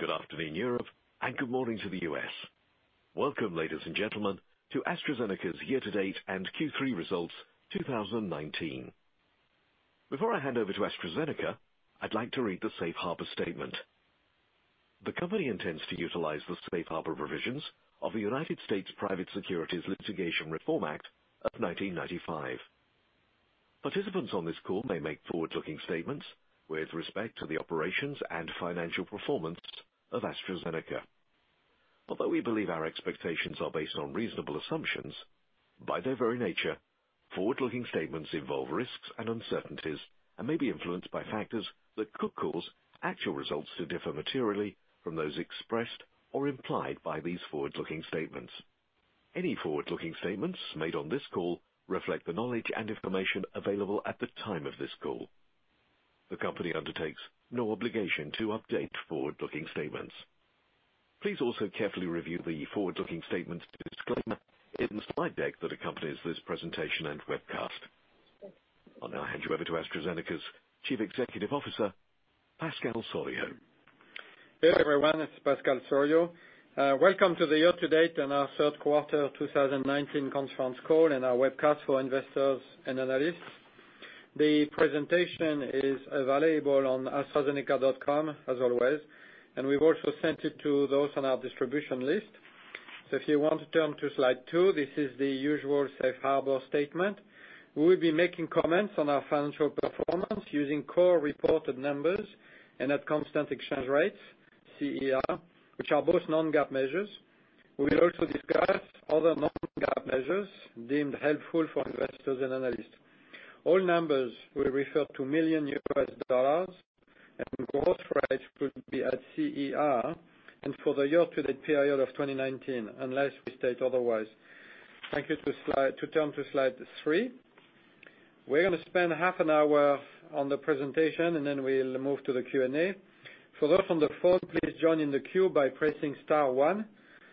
Good afternoon, Europe, and good morning to the U.S. Welcome, ladies and gentlemen, to AstraZeneca's year to date and Q3 results 2019. Before I hand over to AstraZeneca, I'd like to read the Safe Harbor statement. The company intends to utilize the Safe Harbor provisions of the U.S. Private Securities Litigation Reform Act of 1995. Participants on this call may make forward-looking statements with respect to the operations and financial performance of AstraZeneca. Although we believe our expectations are based on reasonable assumptions, by their very nature, forward-looking statements involve risks and uncertainties and may be influenced by factors that could cause actual results to differ materially from those expressed or implied by these forward-looking statements. Any forward-looking statements made on this call reflect the knowledge and information available at the time of this call. The company undertakes no obligation to update forward-looking statements. Please also carefully review the forward-looking statements disclaimer in the slide deck that accompanies this presentation and webcast. I will now hand you over to AstraZeneca's Chief Executive Officer, Pascal Soriot. Hey, everyone. It's Pascal Soriot. Welcome to the year to date and our third quarter 2019 conference call and our webcast for investors and analysts. The presentation is available on astrazeneca.com, as always, and we've also sent it to those on our distribution list. If you want to turn to Slide two, this is the usual Safe Harbor statement. We will be making comments on our financial performance using core reported numbers and at constant exchange rates, CER, which are both non-GAAP measures. We will also discuss other non-GAAP measures deemed helpful for investors and analysts. All numbers will refer to million US dollars, and growth rates will be at CER and for the year to date period of 2019, unless we state otherwise. Thank you to turn to Slide three. We're going to spend half an hour on the presentation, and then we'll move to the Q&A. For those on the phone, please join in the queue by pressing star one.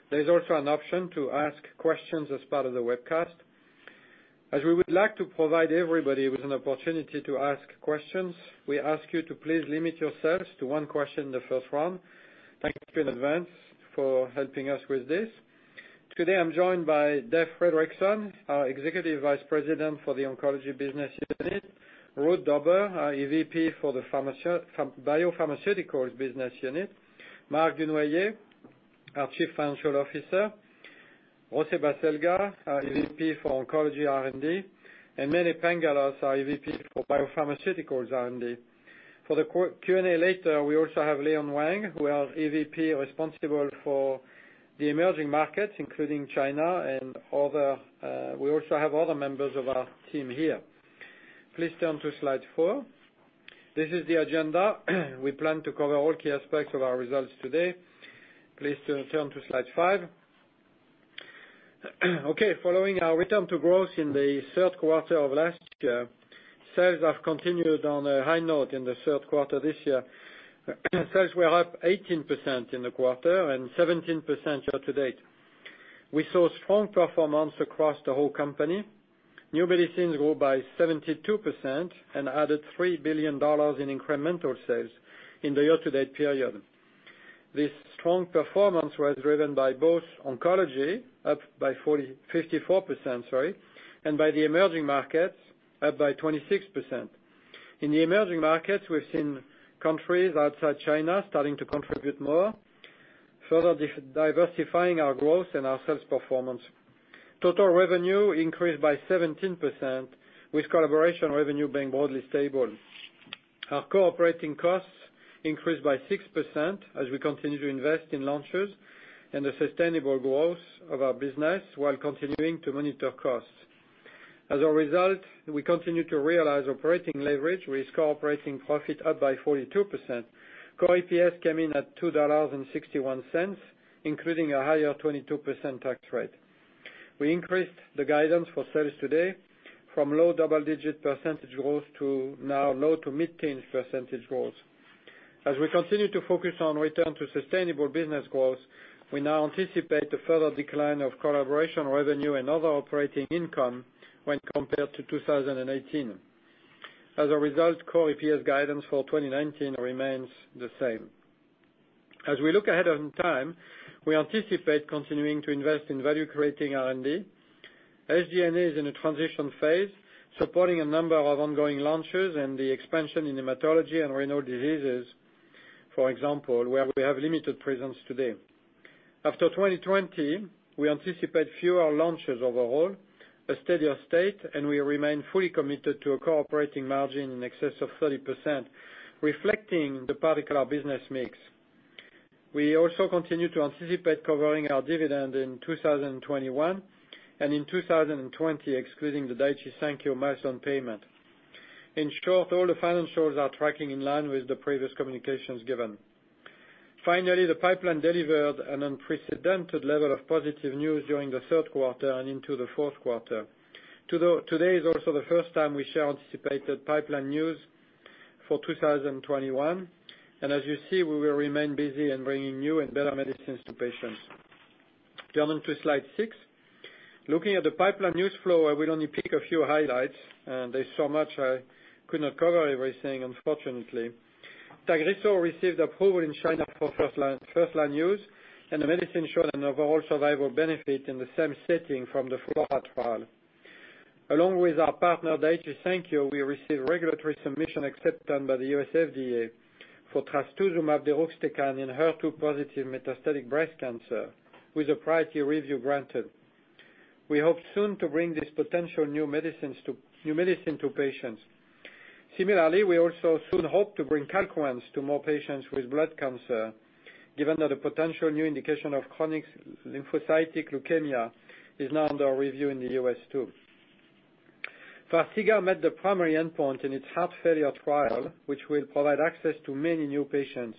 There is also an option to ask questions as part of the webcast. As we would like to provide everybody with an opportunity to ask questions, we ask you to please limit yourselves to one question in the first round. Thank you in advance for helping us with this. Today, I am joined by Dave Fredrickson, our Executive Vice President for the Oncology Business Unit, Ruud Dobber, our EVP for the BioPharmaceuticals Business Unit, Marc Dunoyer, our Chief Financial Officer, José Baselga, our EVP for Oncology R&D, and Mene Pangalos, our EVP for BioPharmaceuticals R&D. For the Q&A later, we also have Leon Wang, who is EVP responsible for the emerging markets, including China. We also have other members of our team here. Please turn to Slide 4. This is the agenda. We plan to cover all key aspects of our results today. Please turn to Slide 5. Okay. Following our return to growth in the third quarter of last year, sales have continued on a high note in the third quarter this year. Sales were up 18% in the quarter and 17% year to date. We saw strong performance across the whole company. New medicines grew by 72% and added $3 billion in incremental sales in the year to date period. This strong performance was driven by both oncology, up by 54%, and by the emerging markets, up by 26%. In the emerging markets, we've seen countries outside China starting to contribute more, further diversifying our growth and our sales performance. Total revenue increased by 17%, with collaboration revenue being broadly stable. Our core operating costs increased by 6% as we continue to invest in launches and the sustainable growth of our business while continuing to monitor costs. We continue to realize operating leverage with core operating profit up by 42%. Core EPS came in at $2.61, including a higher 22% tax rate. We increased the guidance for sales today from low double-digit percentage growth to now low to mid-teens percentage growth. As we continue to focus on return to sustainable business growth, we now anticipate a further decline of collaboration revenue and other operating income when compared to 2018. Core EPS guidance for 2019 remains the same. As we look ahead in time, we anticipate continuing to invest in value-creating R&D. SG&A is in a transition phase, supporting a number of ongoing launches and the expansion in hematology and renal diseases, for example, where we have limited presence today. After 2020, we anticipate fewer launches overall, a steadier state, and we remain fully committed to a core operating margin in excess of 30%, reflecting the particular business mix. We also continue to anticipate covering our dividend in 2021 and in 2020, excluding the Daiichi Sankyo milestone payment. In short, all the financials are tracking in line with the previous communications given. Finally, the pipeline delivered an unprecedented level of positive news during the third quarter and into the fourth quarter. Today is also the first time we share anticipated pipeline news for 2021. As you see, we will remain busy in bringing new and better medicines to patients. Turn on to slide six. Looking at the pipeline news flow, I will only pick a few highlights. There is so much I could not cover everything, unfortunately. TAGRISSO received approval in China for first-line use, and the medicine showed an overall survival benefit in the same setting from the FLAURA trial. Along with our partner, Daiichi Sankyo, we received regulatory submission acceptance by the U.S. FDA for trastuzumab deruxtecan in HER2-positive metastatic breast cancer, with a priority review granted. We hope soon to bring this potential new medicine to patients. Similarly, we also soon hope to bring CALQUENCE to more patients with blood cancer, given that a potential new indication of chronic lymphocytic leukemia is now under review in the U.S., too. FARXIGA met the primary endpoint in its heart failure trial, which will provide access to many new patients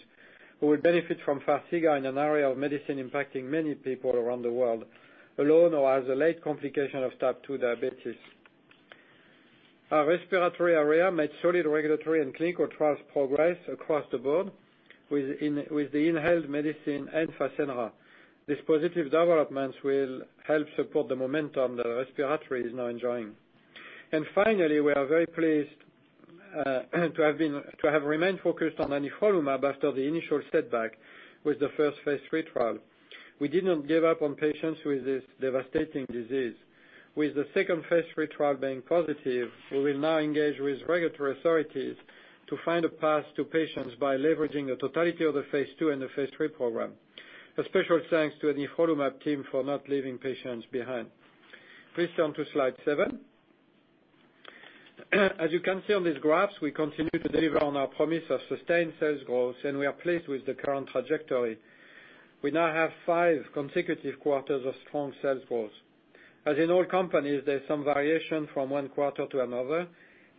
who will benefit from FARXIGA in an area of medicine impacting many people around the world, alone or as a late complication of type 2 diabetes. Our respiratory area made solid regulatory and clinical trials progress across the board with the inhaled medicine and FASENRA. These positive developments will help support the momentum that respiratory is now enjoying. Finally, we are very pleased to have remained focused on anifrolumab after the initial setback with the first phase III trial. We did not give up on patients with this devastating disease. With the second phase III trial being positive, we will now engage with regulatory authorities to find a path to patients by leveraging the totality of the phase II and the phase III program. A special thanks to anifrolumab team for not leaving patients behind. Please turn to slide seven. As you can see on these graphs, we continue to deliver on our promise of sustained sales growth, and we are pleased with the current trajectory. We now have five consecutive quarters of strong sales growth. As in all companies, there's some variation from one quarter to another,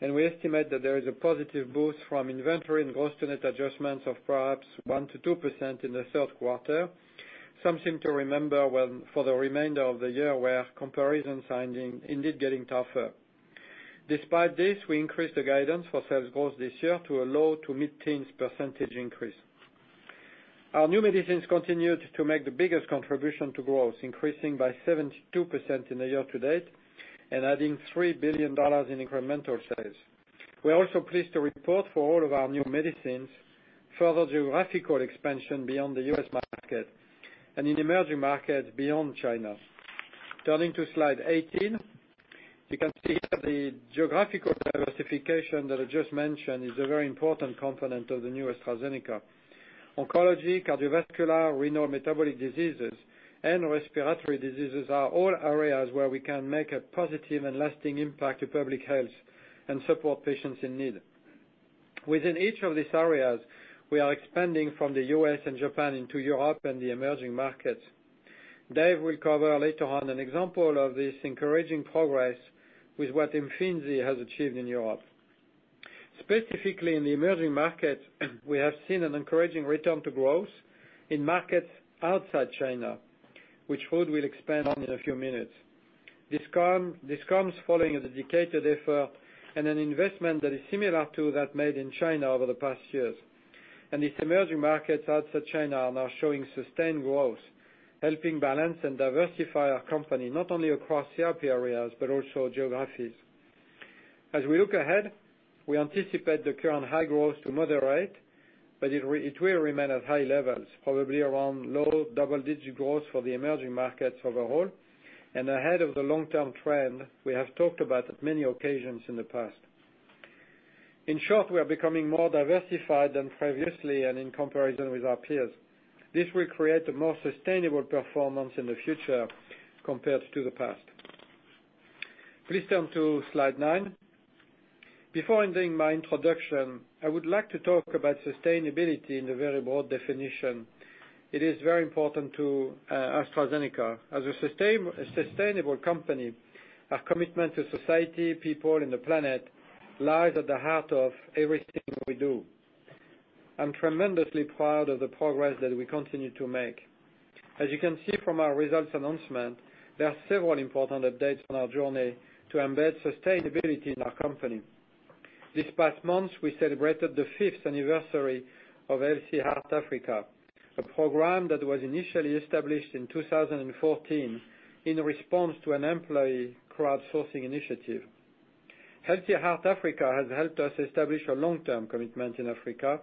and we estimate that there is a positive boost from inventory and gross-to-net adjustments of perhaps 1%-2% in the third quarter. Something to remember for the remainder of the year where comparison is indeed getting tougher. Despite this, we increased the guidance for sales growth this year to a low- to mid-teens percentage increase. Our new medicines continued to make the biggest contribution to growth, increasing by 72% in the year to date and adding $3 billion in incremental sales. We are also pleased to report for all of our new medicines, further geographical expansion beyond the U.S. market and in emerging markets beyond China. Turning to slide 18. You can see here the geographical diversification that I just mentioned is a very important component of the new AstraZeneca. Oncology, cardiovascular, renal metabolic diseases, and respiratory diseases are all areas where we can make a positive and lasting impact to public health and support patients in need. Within each of these areas, we are expanding from the U.S. and Japan into Europe and the emerging markets. Dave will cover later on an example of this encouraging progress with what Imfinzi has achieved in Europe. Specifically, in the emerging markets, we have seen an encouraging return to growth in markets outside China, which Ruud will expand on in a few minutes. This comes following a dedicated effort and an investment that is similar to that made in China over the past years. These emerging markets outside China are now showing sustained growth, helping balance and diversify our company, not only across therapy areas, but also geographies. As we look ahead, we anticipate the current high growth to moderate, but it will remain at high levels, probably around low double-digit growth for the emerging markets overall and ahead of the long-term trend we have talked about at many occasions in the past. In short, we are becoming more diversified than previously and in comparison with our peers. This will create a more sustainable performance in the future compared to the past. Please turn to slide nine. Before ending my introduction, I would like to talk about sustainability in a very broad definition. It is very important to AstraZeneca. As a sustainable company, our commitment to society, people, and the planet lies at the heart of everything we do. I'm tremendously proud of the progress that we continue to make. As you can see from our results announcement, there are several important updates on our journey to embed sustainability in our company. This past month, we celebrated the fifth anniversary of Healthy Heart Africa, a program that was initially established in 2014 in response to an employee crowdsourcing initiative. Healthy Heart Africa has helped us establish a long-term commitment in Africa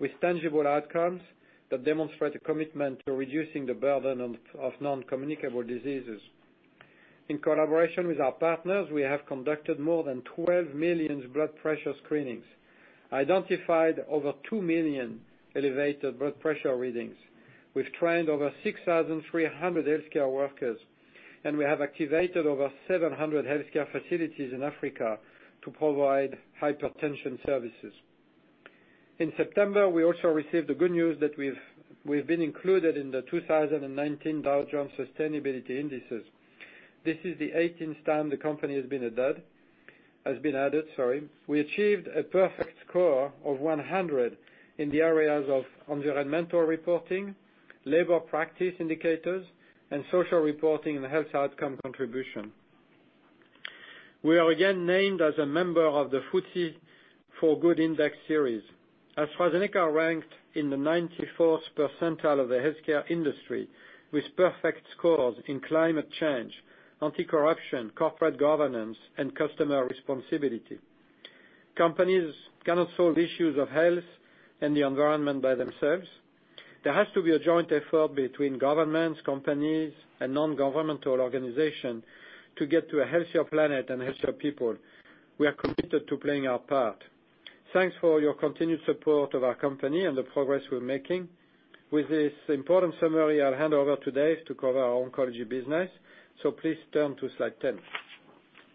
with tangible outcomes that demonstrate a commitment to reducing the burden of non-communicable diseases. In collaboration with our partners, we have conducted more than 12 million blood pressure screenings, identified over 2 million elevated blood pressure readings. We've trained over 6,300 healthcare workers, and we have activated over 700 healthcare facilities in Africa to provide hypertension services. In September, we also received the good news that we've been included in the 2019 Dow Jones Sustainability Indices. This is the 18th time the company has been added. We achieved a perfect score of 100 in the areas of environmental reporting, labor practice indicators, and social reporting and health outcome contribution. We are again named as a member of the FTSE4Good Index Series. AstraZeneca ranked in the 94th percentile of the healthcare industry, with perfect scores in climate change, anti-corruption, corporate governance, and customer responsibility. Companies cannot solve issues of health and the environment by themselves. There has to be a joint effort between governments, companies, and non-governmental organizations to get to a healthier planet and healthier people. We are committed to playing our part. Thanks for your continued support of our company and the progress we're making. With this important summary, I'll hand over to Dave to cover our oncology business. Please turn to slide 10.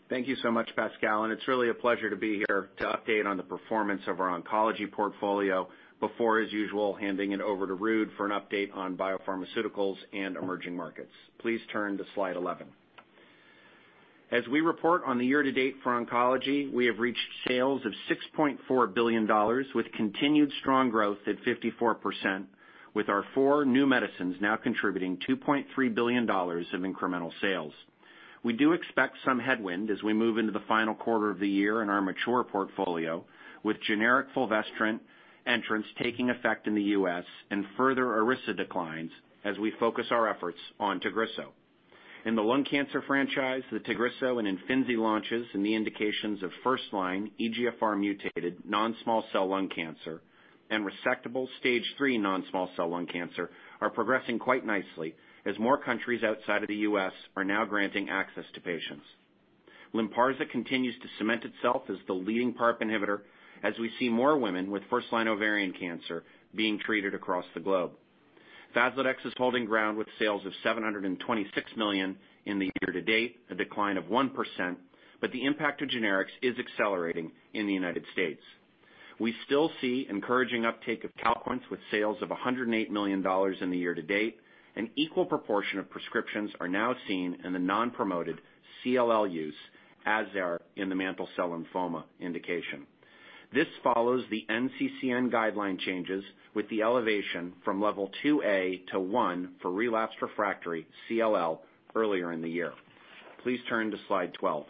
Thank you so much, Pascal, and it's really a pleasure to be here to update on the performance of our Oncology portfolio before, as usual, handing it over to Ruud for an update on BioPharmaceuticals and emerging markets. Please turn to slide 11. As we report on the year-to-date for Oncology, we have reached sales of $6.4 billion with continued strong growth at 54%, with our four new medicines now contributing $2.3 billion of incremental sales. We do expect some headwind as we move into the final quarter of the year in our mature portfolio, with generic fulvestrant entrants taking effect in the U.S. and further Iressa declines as we focus our efforts on TAGRISSO. In the lung cancer franchise, the TAGRISSO and Imfinzi launches in the indications of first-line EGFR mutated non-small cell lung cancer and resectable stage 3 non-small cell lung cancer are progressing quite nicely as more countries outside of the U.S. are now granting access to patients. Lynparza continues to cement itself as the leading PARP inhibitor, as we see more women with first-line ovarian cancer being treated across the globe. Faslodex is holding ground with sales of $726 million in the year to date, a decline of 1%. The impact of generics is accelerating in the United States. We still see encouraging uptake of CALQUENCE with sales of $108 million in the year to date. An equal proportion of prescriptions are now seen in the non-promoted CLL use as they are in the mantle cell lymphoma indication. This follows the NCCN guideline changes with the elevation from level 2A to 1 for relapsed refractory CLL earlier in the year. Please turn to slide 12.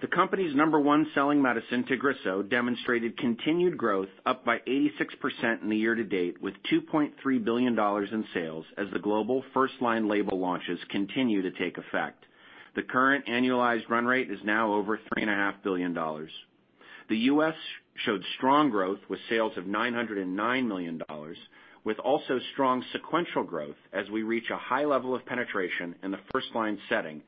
The company's number-one selling medicine, Tagrisso, demonstrated continued growth up by 86% in the year to date, with $2.3 billion in sales as the global first-line label launches continue to take effect. The current annualized run rate is now over $3.5 billion. The U.S. showed strong growth with sales of $909 million, with also strong sequential growth as we reach a high level of penetration in the first-line setting,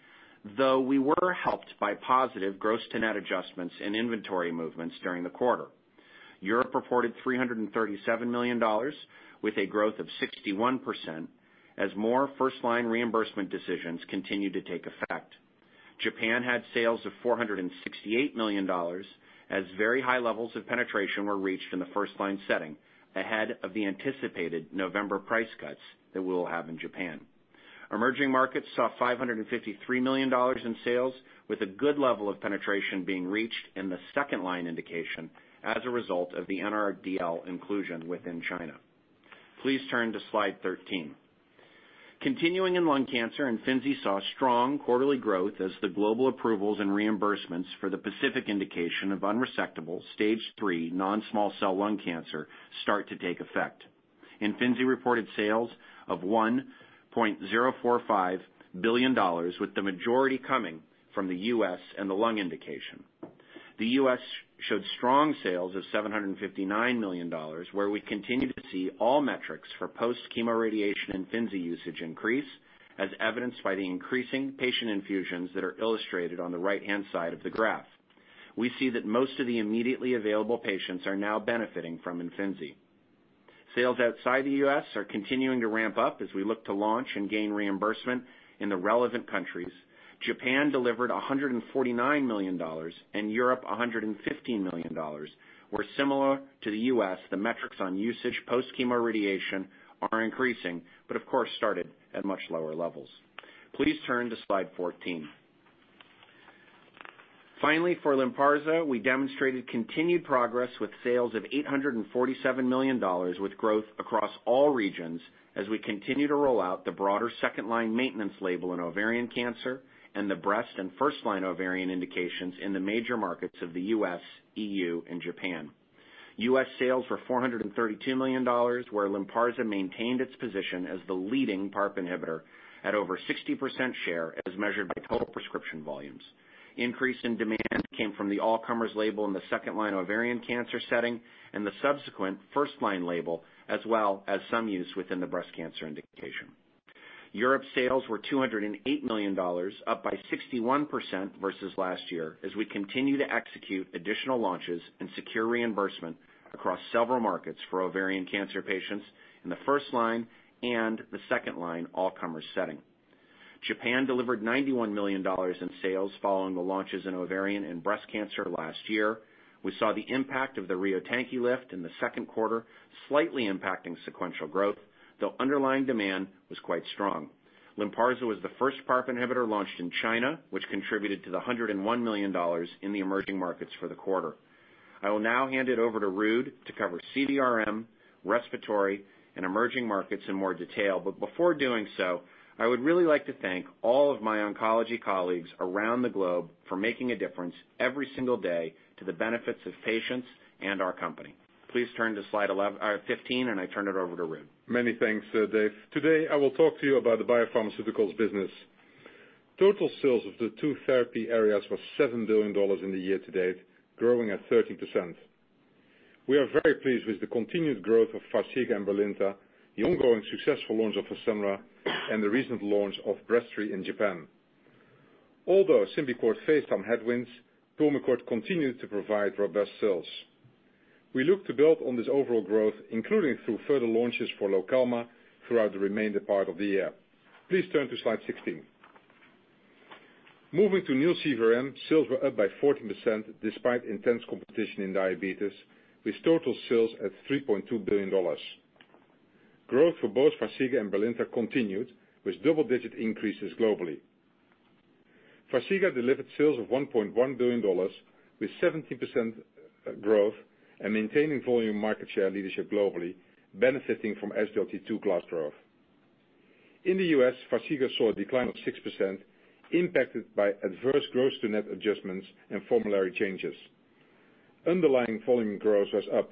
though we were helped by positive gross to net adjustments and inventory movements during the quarter. Europe reported $337 million with a growth of 61% as more first-line reimbursement decisions continued to take effect. Japan had sales of $468 million as very high levels of penetration were reached in the 1st-line setting, ahead of the anticipated November price cuts that we'll have in Japan. Emerging markets saw $553 million in sales, with a good level of penetration being reached in the 2nd-line indication as a result of the NRDL inclusion within China. Please turn to slide 13. Continuing in lung cancer, Imfinzi saw strong quarterly growth as the global approvals and reimbursements for the PACIFIC indication of unresectable stage 3 non-small cell lung cancer start to take effect. Imfinzi reported sales of $1.045 billion, with the majority coming from the U.S. and the lung indication. The U.S. showed strong sales of $759 million, where we continue to see all metrics for post-chemoradiation Imfinzi usage increase, as evidenced by the increasing patient infusions that are illustrated on the right-hand side of the graph. We see that most of the immediately available patients are now benefiting from Imfinzi. Sales outside the U.S. are continuing to ramp up as we look to launch and gain reimbursement in the relevant countries. Japan delivered $149 million and Europe $115 million, where similar to the U.S., the metrics on usage post-chemoradiation are increasing, but of course started at much lower levels. Please turn to slide 14. For Lynparza, we demonstrated continued progress with sales of $847 million with growth across all regions as we continue to roll out the broader second-line maintenance label in ovarian cancer and the breast and first-line ovarian indications in the major markets of the U.S., EU, and Japan. U.S. sales were $432 million, where Lynparza maintained its position as the leading PARP inhibitor at over 60% share as measured by total prescription volumes. Increase in demand came from the all-comers label in the second-line ovarian cancer setting and the subsequent first-line label, as well as some use within the breast cancer indication. Europe sales were $208 million, up by 61% versus last year, as we continue to execute additional launches and secure reimbursement across several markets for ovarian cancer patients in the first line and the second-line all-comers setting. Japan delivered $91 million in sales following the launches in ovarian and breast cancer last year. We saw the impact of the Ryotanki lift in the second quarter, slightly impacting sequential growth, though underlying demand was quite strong. Lynparza was the first PARP inhibitor launched in China, which contributed to the $101 million in the emerging markets for the quarter. I will now hand it over to Ruud to cover CVRM, respiratory, and emerging markets in more detail. Before doing so, I would really like to thank all of my oncology colleagues around the globe for making a difference every single day to the benefits of patients and our company. Please turn to slide 15. I turn it over to Ruud. Many thanks, Dave. Today, I will talk to you about the BioPharmaceuticals business. Total sales of the two therapy areas were $7 billion in the year to date, growing at 13%. We are very pleased with the continued growth of FARXIGA and Brilinta, the ongoing successful launch of FASENRA, and the recent launch of Breztri in Japan. Although Symbicort faced some headwinds, Pulmicort continued to provide robust sales. We look to build on this overall growth, including through further launches for Lokelma throughout the remainder part of the year. Please turn to slide 16. Moving to new CVRM, sales were up by 14%, despite intense competition in diabetes, with total sales at $3.2 billion. Growth for both FARXIGA and Brilinta continued, with double-digit increases globally. FARXIGA delivered sales of $1.1 billion with 17% growth and maintaining volume market share leadership globally, benefiting from SGLT2 class growth. In the U.S., FARXIGA saw a decline of 6%, impacted by adverse growth to net adjustments and formulary changes. Underlying volume growth was up.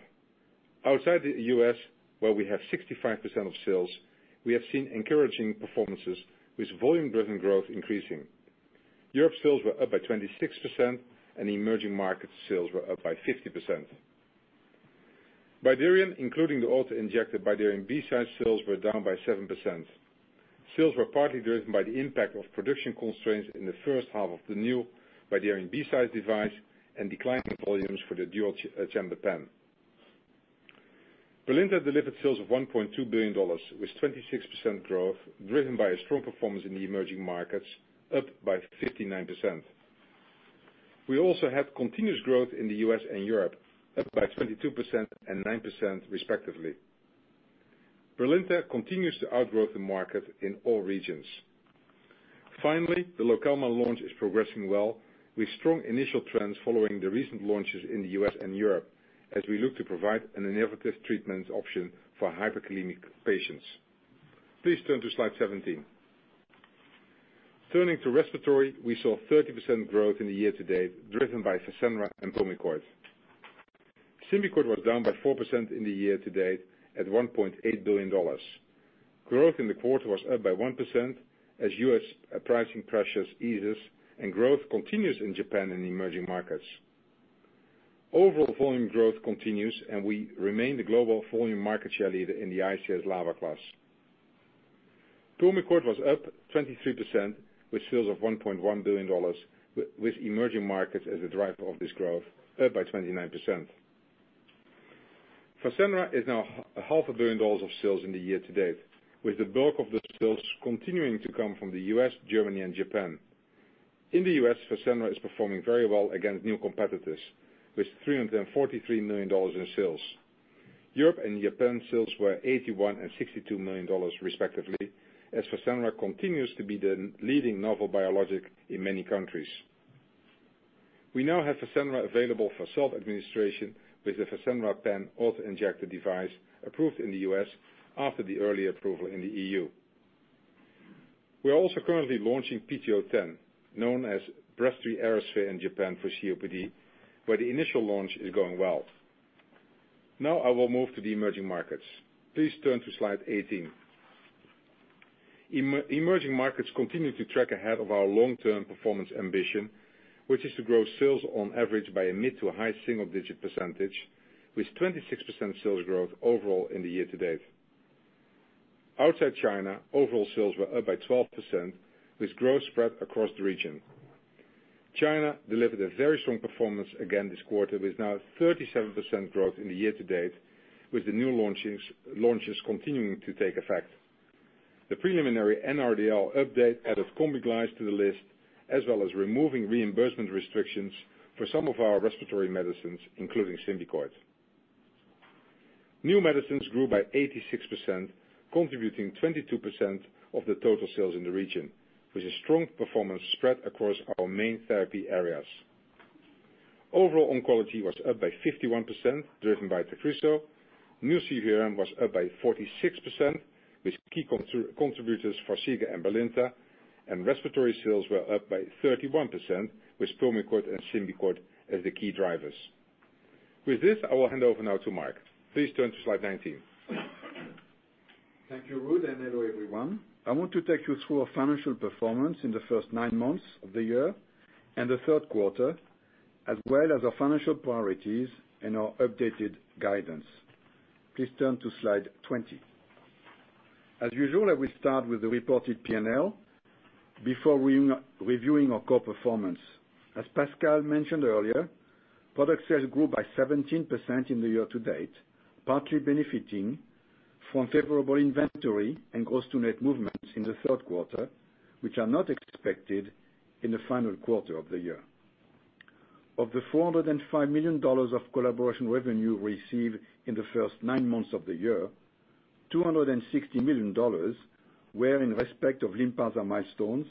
Outside the U.S., where we have 65% of sales, we have seen encouraging performances with volume-driven growth increasing. Europe sales were up by 26%, and emerging market sales were up by 50%. BYDUREON, including the auto-injector, BYDUREON BCise sales were down by 7%. Sales were partly driven by the impact of production constraints in the first half of the new BYDUREON BCise device and declining volumes for the dual-chamber pen. Brilinta delivered sales of $1.2 billion with 26% growth, driven by a strong performance in the emerging markets, up by 59%. We also have continuous growth in the U.S. and Europe, up by 22% and 9%, respectively. Brilinta continues to outgrow the market in all regions. The Lokelma launch is progressing well, with strong initial trends following the recent launches in the U.S. and Europe, as we look to provide an innovative treatment option for hyperkalemic patients. Please turn to slide 17. We saw 30% growth in the year to date, driven by FASENRA and Pulmicort. Symbicort was down by 4% in the year to date at $1.8 billion. Growth in the quarter was up by 1% as U.S. pricing pressures eases and growth continues in Japan and the emerging markets. Volume growth continues, and we remain the global volume market share leader in the ICS/LABA class. Pulmicort was up 23%, with sales of $1.1 billion, with emerging markets as a driver of this growth, up by 29%. FASENRA is now half a billion dollars of sales in the year to date, with the bulk of the sales continuing to come from the U.S., Germany, and Japan. In the U.S., FASENRA is performing very well against new competitors, with $343 million in sales. Europe and Japan sales were $81 and $62 million, respectively, as FASENRA continues to be the leading novel biologic in many countries. We now have FASENRA available for self-administration with the FASENRA Pen auto-injector device approved in the U.S. after the earlier approval in the EU. We are also currently launching PT010, known as Breztri Aerosphere in Japan for COPD, where the initial launch is going well. I will move to the emerging markets. Please turn to slide 18. Emerging markets continue to track ahead of our long-term performance ambition, which is to grow sales on average by a mid to a high single-digit %, with 26% sales growth overall in the year to date. Outside China, overall sales were up by 12%, with growth spread across the region. China delivered a very strong performance again this quarter, with now 37% growth in the year to date, with the new launches continuing to take effect. The preliminary NRDL update added KOMBIGLYZE XR to the list, as well as removing reimbursement restrictions for some of our respiratory medicines, including Symbicort. New medicines grew by 86%, contributing 22% of the total sales in the region, with a strong performance spread across our main therapy areas. Overall oncology was up by 51%, driven by TAGRISSO. New CVRM was up by 46%, with key contributors FARXIGA and Brilinta, and respiratory sales were up by 31%, with Pulmicort and Symbicort as the key drivers. With this, I will hand over now to Marc. Please turn to slide 19. Thank you, Ruud, and hello, everyone. I want to take you through our financial performance in the first nine months of the year and the third quarter, as well as our financial priorities and our updated guidance. Please turn to slide 20. As usual, we start with the reported P&L before reviewing our core performance. As Pascal mentioned earlier, product sales grew by 17% in the year to date, partly benefiting from favorable inventory and gross to net movements in the third quarter, which are not expected in the final quarter of the year. Of the $405 million of collaboration revenue received in the first nine months of the year, $260 million were in respect of Lynparza milestones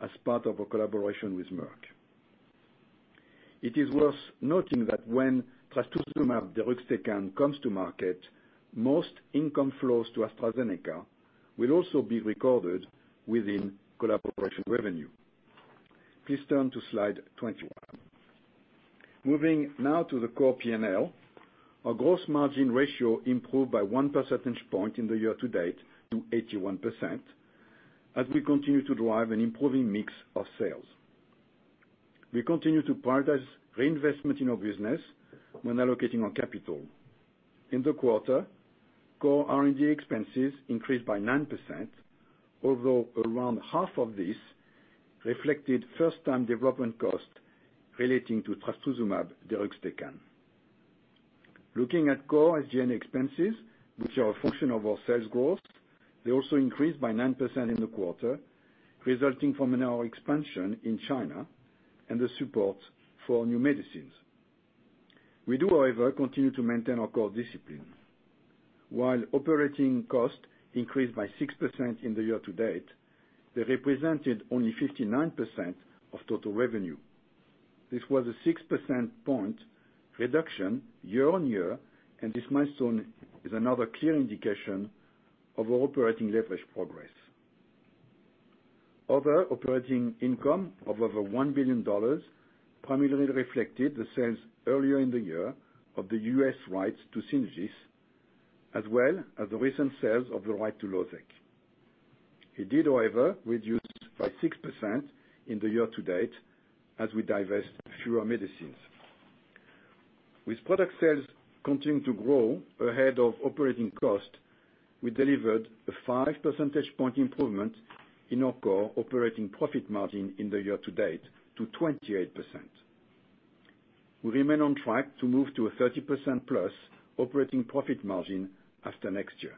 as part of a collaboration with Merck. It is worth noting that when trastuzumab deruxtecan comes to market, most income flows to AstraZeneca will also be recorded within collaboration revenue. Please turn to slide 21. Moving now to the core P&L. Our gross margin ratio improved by one percentage point in the year-to-date to 81% as we continue to drive an improving mix of sales. We continue to prioritize reinvestment in our business when allocating our capital. In the quarter, core R&D expenses increased by 9%, although around half of this reflected first-time development cost relating to trastuzumab deruxtecan. Looking at core SG&A expenses, which are a function of our sales growth, they also increased by 9% in the quarter, resulting from our expansion in China and the support for new medicines. We do, however, continue to maintain our core discipline. While operating costs increased by 6% in the year-to-date, they represented only 59% of total revenue. This was a 6% point reduction year-on-year, and this milestone is another clear indication of our operating leverage progress. Other operating income of over $1 billion primarily reflected the sales earlier in the year of the U.S. rights to Synagis, as well as the recent sales of the right to Losec. It did, however, reduce by 6% in the year to date as we divest fewer medicines. With product sales continuing to grow ahead of operating cost, we delivered a five percentage point improvement in our core operating profit margin in the year to date to 28%. We remain on track to move to a 30% plus operating profit margin after next year.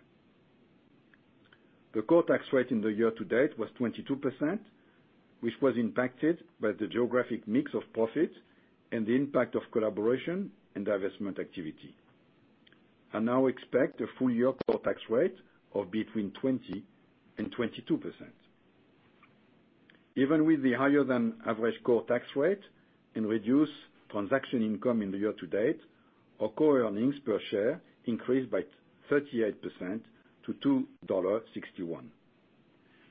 The core tax rate in the year to date was 22%, which was impacted by the geographic mix of profits and the impact of collaboration and divestment activity. I now expect a full-year core tax rate of between 20% and 22%. Even with the higher than average core tax rate and reduced transaction income in the year to date, our core earnings per share increased by 38% to $2.61.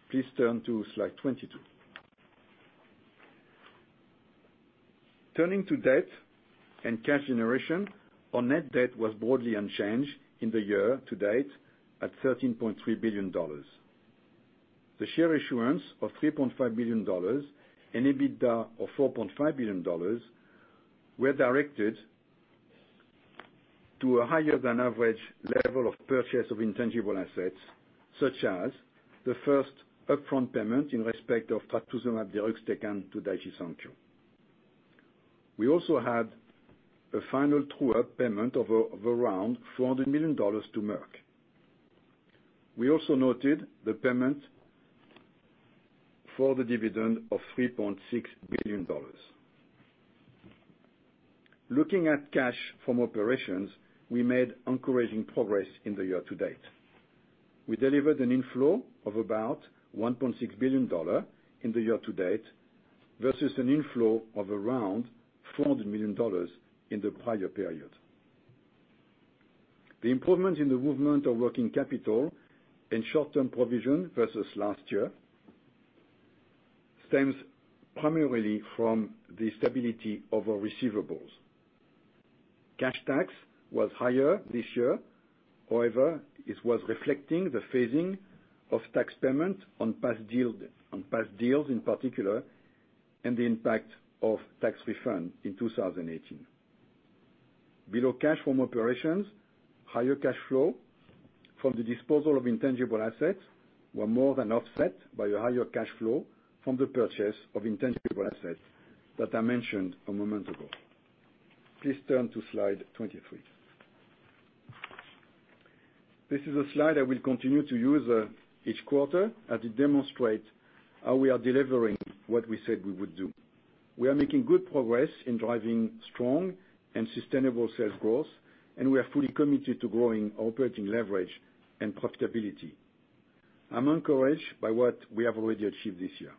Please turn to slide 22. Turning to debt and cash generation, our net debt was broadly unchanged in the year to date at $13.3 billion. The share issuance of $3.5 billion and EBITDA of $4.5 billion were directed to a higher than average level of purchase of intangible assets, such as the first upfront payment in respect of trastuzumab deruxtecan to Daiichi Sankyo. We also had a final true-up payment of around $400 million to Merck. We also noted the payment for the dividend of $3.6 billion. Looking at cash from operations, we made encouraging progress in the year to date. We delivered an inflow of about $1.6 billion in the year to date versus an inflow of around $400 million in the prior period. The improvement in the movement of working capital and short-term provision versus last year stems primarily from the stability of our receivables. Cash tax was higher this year. It was reflecting the phasing of tax payment on past deals, in particular, and the impact of tax refund in 2018. Below cash from operations, higher cash flow from the disposal of intangible assets were more than offset by a higher cash flow from the purchase of intangible assets that I mentioned a moment ago. Please turn to slide 23. This is a slide I will continue to use each quarter as it demonstrates how we are delivering what we said we would do. We are making good progress in driving strong and sustainable sales growth, and we are fully committed to growing operating leverage and profitability. I'm encouraged by what we have already achieved this year.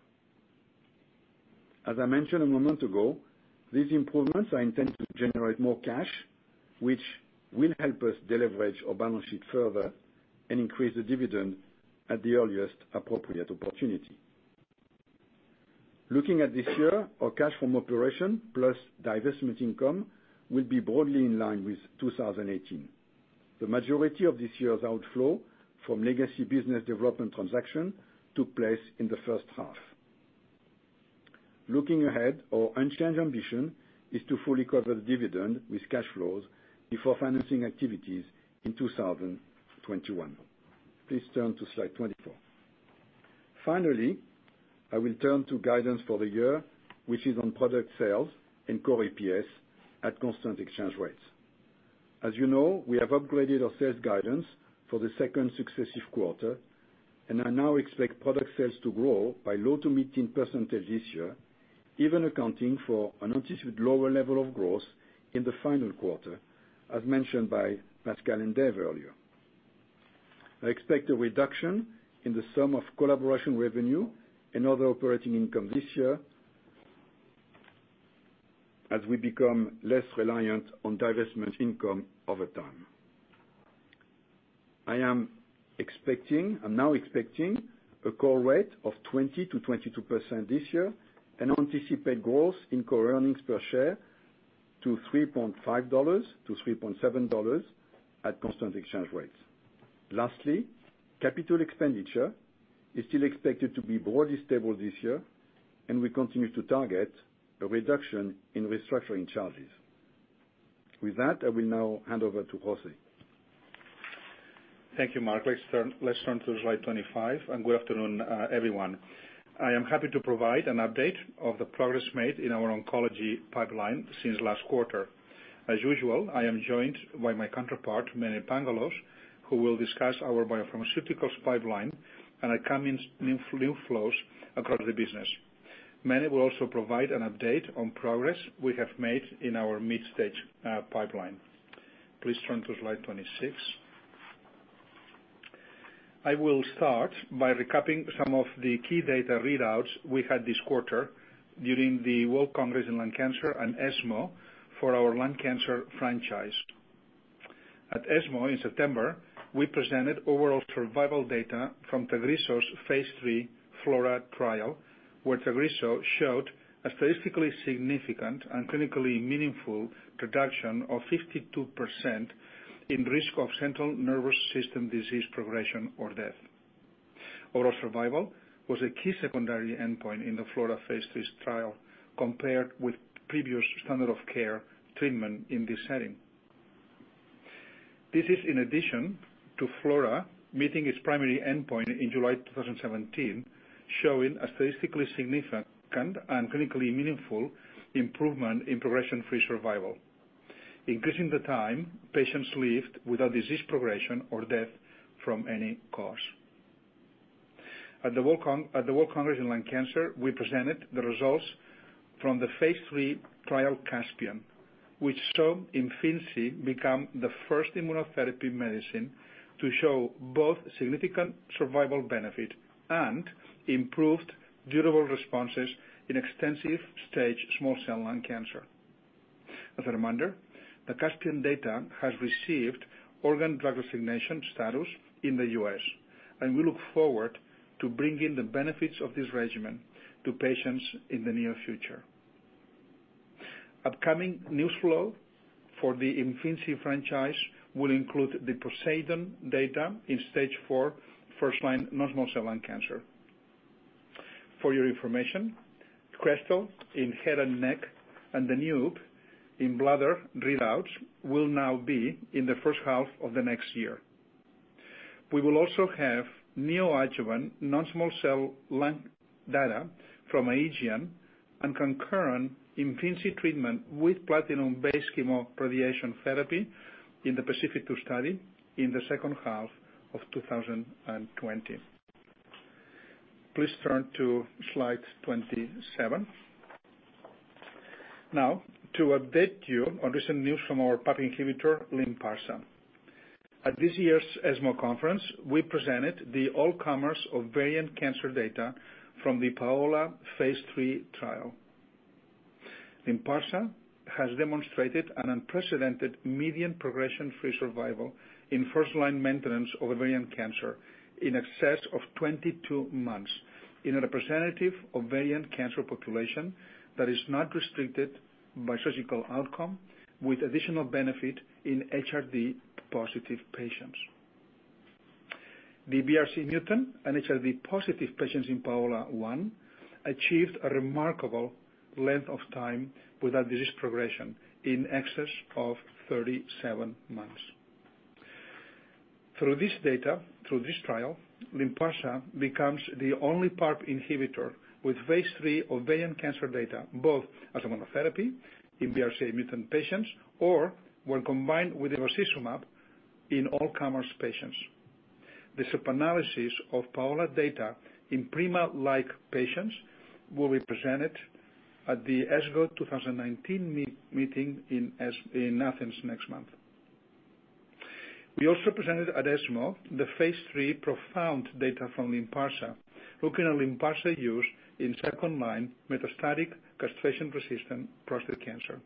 As I mentioned a moment ago, these improvements are intended to generate more cash, which will help us deleverage our balance sheet further and increase the dividend at the earliest appropriate opportunity. Looking at this year, our cash from operation plus divestment income will be broadly in line with 2018. The majority of this year's outflow from legacy business development transaction took place in the first half. Looking ahead, our unchanged ambition is to fully cover the dividend with cash flows before financing activities in 2021. Please turn to slide 24. Finally, I will turn to guidance for the year, which is on product sales and core EPS at constant exchange rates. As you know, we have upgraded our sales guidance for the second successive quarter. I now expect product sales to grow by low-to-mid teen percentage this year, even accounting for an anticipated lower level of growth in the final quarter, as mentioned by Pascal and Dave earlier. I expect a reduction in the sum of collaboration revenue and other operating income this year, as we become less reliant on divestment income over time. I'm now expecting a core rate of 20%-22% this year, and anticipate growth in core earnings per share to $3.5-$3.7 at constant exchange rates. Lastly, capital expenditure is still expected to be broadly stable this year, and we continue to target a reduction in restructuring charges. With that, I will now hand over to José. Thank you, Marc. Let's turn to slide 25. Good afternoon, everyone. I am happy to provide an update of the progress made in our oncology pipeline since last quarter. As usual, I am joined by my counterpart, Mene Pangalos, who will discuss our biopharmaceuticals pipeline and upcoming new flows across the business. Mene will also provide an update on progress we have made in our mid-stage pipeline. Please turn to slide 26. I will start by recapping some of the key data readouts we had this quarter during the World Conference on Lung Cancer and ESMO for our lung cancer franchise. At ESMO in September, we presented overall survival data from TAGRISSO's phase III FLAURA trial, where TAGRISSO showed a statistically significant and clinically meaningful reduction of 52% in risk of central nervous system disease progression or death. Overall survival was a key secondary endpoint in the FLAURA Phase III trial compared with previous standard of care treatment in this setting. This is in addition to FLAURA meeting its primary endpoint in July 2017, showing a statistically significant and clinically meaningful improvement in progression-free survival, increasing the time patients lived without disease progression or death from any cause. At the World Conference on Lung Cancer, we presented the results from the Phase III trial CASPIAN, which saw Imfinzi become the first immunotherapy medicine to show both significant survival benefit and improved durable responses in extensive stage small cell lung cancer. As a reminder, the CASPIAN data has received orphan drug designation status in the U.S., and we look forward to bringing the benefits of this regimen to patients in the near future. Upcoming news flow for the Imfinzi franchise will include the POSEIDON data in stage 4 first-line non-small cell lung cancer. For your information, KESTREL in head and neck, and DANUBE in bladder readouts will now be in the first half of the next year. We will also have neo-adjuvant non-small cell lung data from AEGEAN and concurrent Imfinzi treatment with platinum-based chemoradiation therapy in the PACIFIC-2 study in the second half of 2020. Please turn to slide 27. Now to update you on recent news from our PARP inhibitor, LYNPARZA. At this year's ESMO, we presented the all-comers ovarian cancer data from the PAOLA-1 phase III trial. Lynparza has demonstrated an unprecedented median progression-free survival in first-line maintenance of ovarian cancer in excess of 22 months in a representative ovarian cancer population that is not restricted by surgical outcome, with additional benefit in HRD-positive patients. The BRCA mutant and HRD-positive patients inPAOLA-1 achieved a remarkable length of time without disease progression in excess of 37 months. Through this trial, Lynparza becomes the only PARP inhibitor with phase III ovarian cancer data, both as a monotherapy in BRCA mutant patients or when combined with olaparib in all-comers patients. The sub-analysis of PAOLA-1 data in prima-like patients will be presented at the ESGO 2019 meeting in Athens next month. We also presented at ESMO the phase III PROfound data from Lynparza, looking at Lynparza use in second-line metastatic castration-resistant prostate cancer.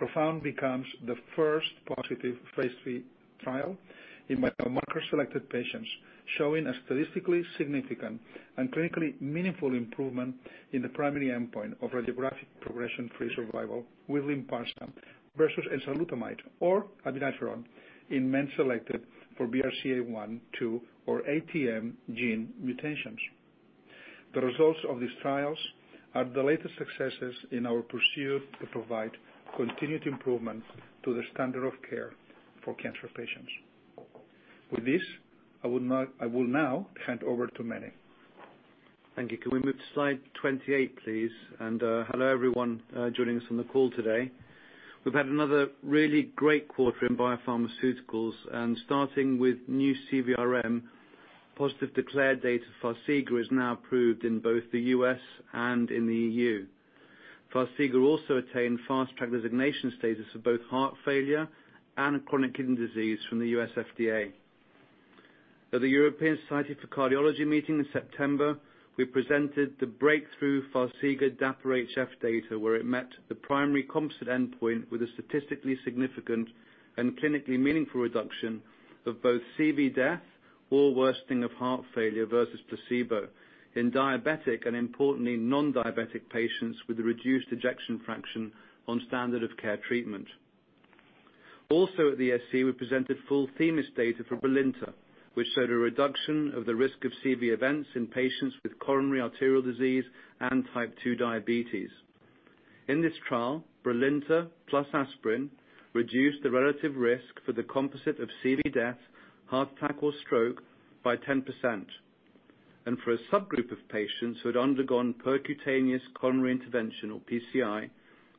PROfound becomes the first positive phase III trial in biomarker-selected patients, showing a statistically significant and clinically meaningful improvement in the primary endpoint of radiographic progression-free survival with Lynparza versus enzalutamide or abiraterone in men selected for BRCA1, 2, or ATM gene mutations. The results of these trials are the latest successes in our pursuit to provide continued improvement to the standard of care for cancer patients. With this, I will now hand over to Mene. Thank you. Can we move to slide 28, please? Hello, everyone joining us on the call today. We've had another really great quarter in biopharmaceuticals, starting with new CVRM, positive DECLARE data, FARXIGA is now approved in both the U.S. and in the EU. FARXIGA also attained Fast Track designation status for both heart failure and chronic kidney disease from the U.S. FDA. At the European Society of Cardiology meeting in September, we presented the breakthrough FARXIGA-DAPA-HF data, where it met the primary composite endpoint with a statistically significant and clinically meaningful reduction of both CV death or worsening of heart failure versus placebo in diabetic and, importantly, nondiabetic patients with a reduced ejection fraction on standard of care treatment. Also at the ESC, we presented full THEMIS data for Brilinta, which showed a reduction of the risk of CV events in patients with coronary arterial disease and type 2 diabetes. In this trial, Brilinta plus aspirin reduced the relative risk for the composite of CV death, heart attack, or stroke by 10%. For a subgroup of patients who had undergone percutaneous coronary intervention or PCI,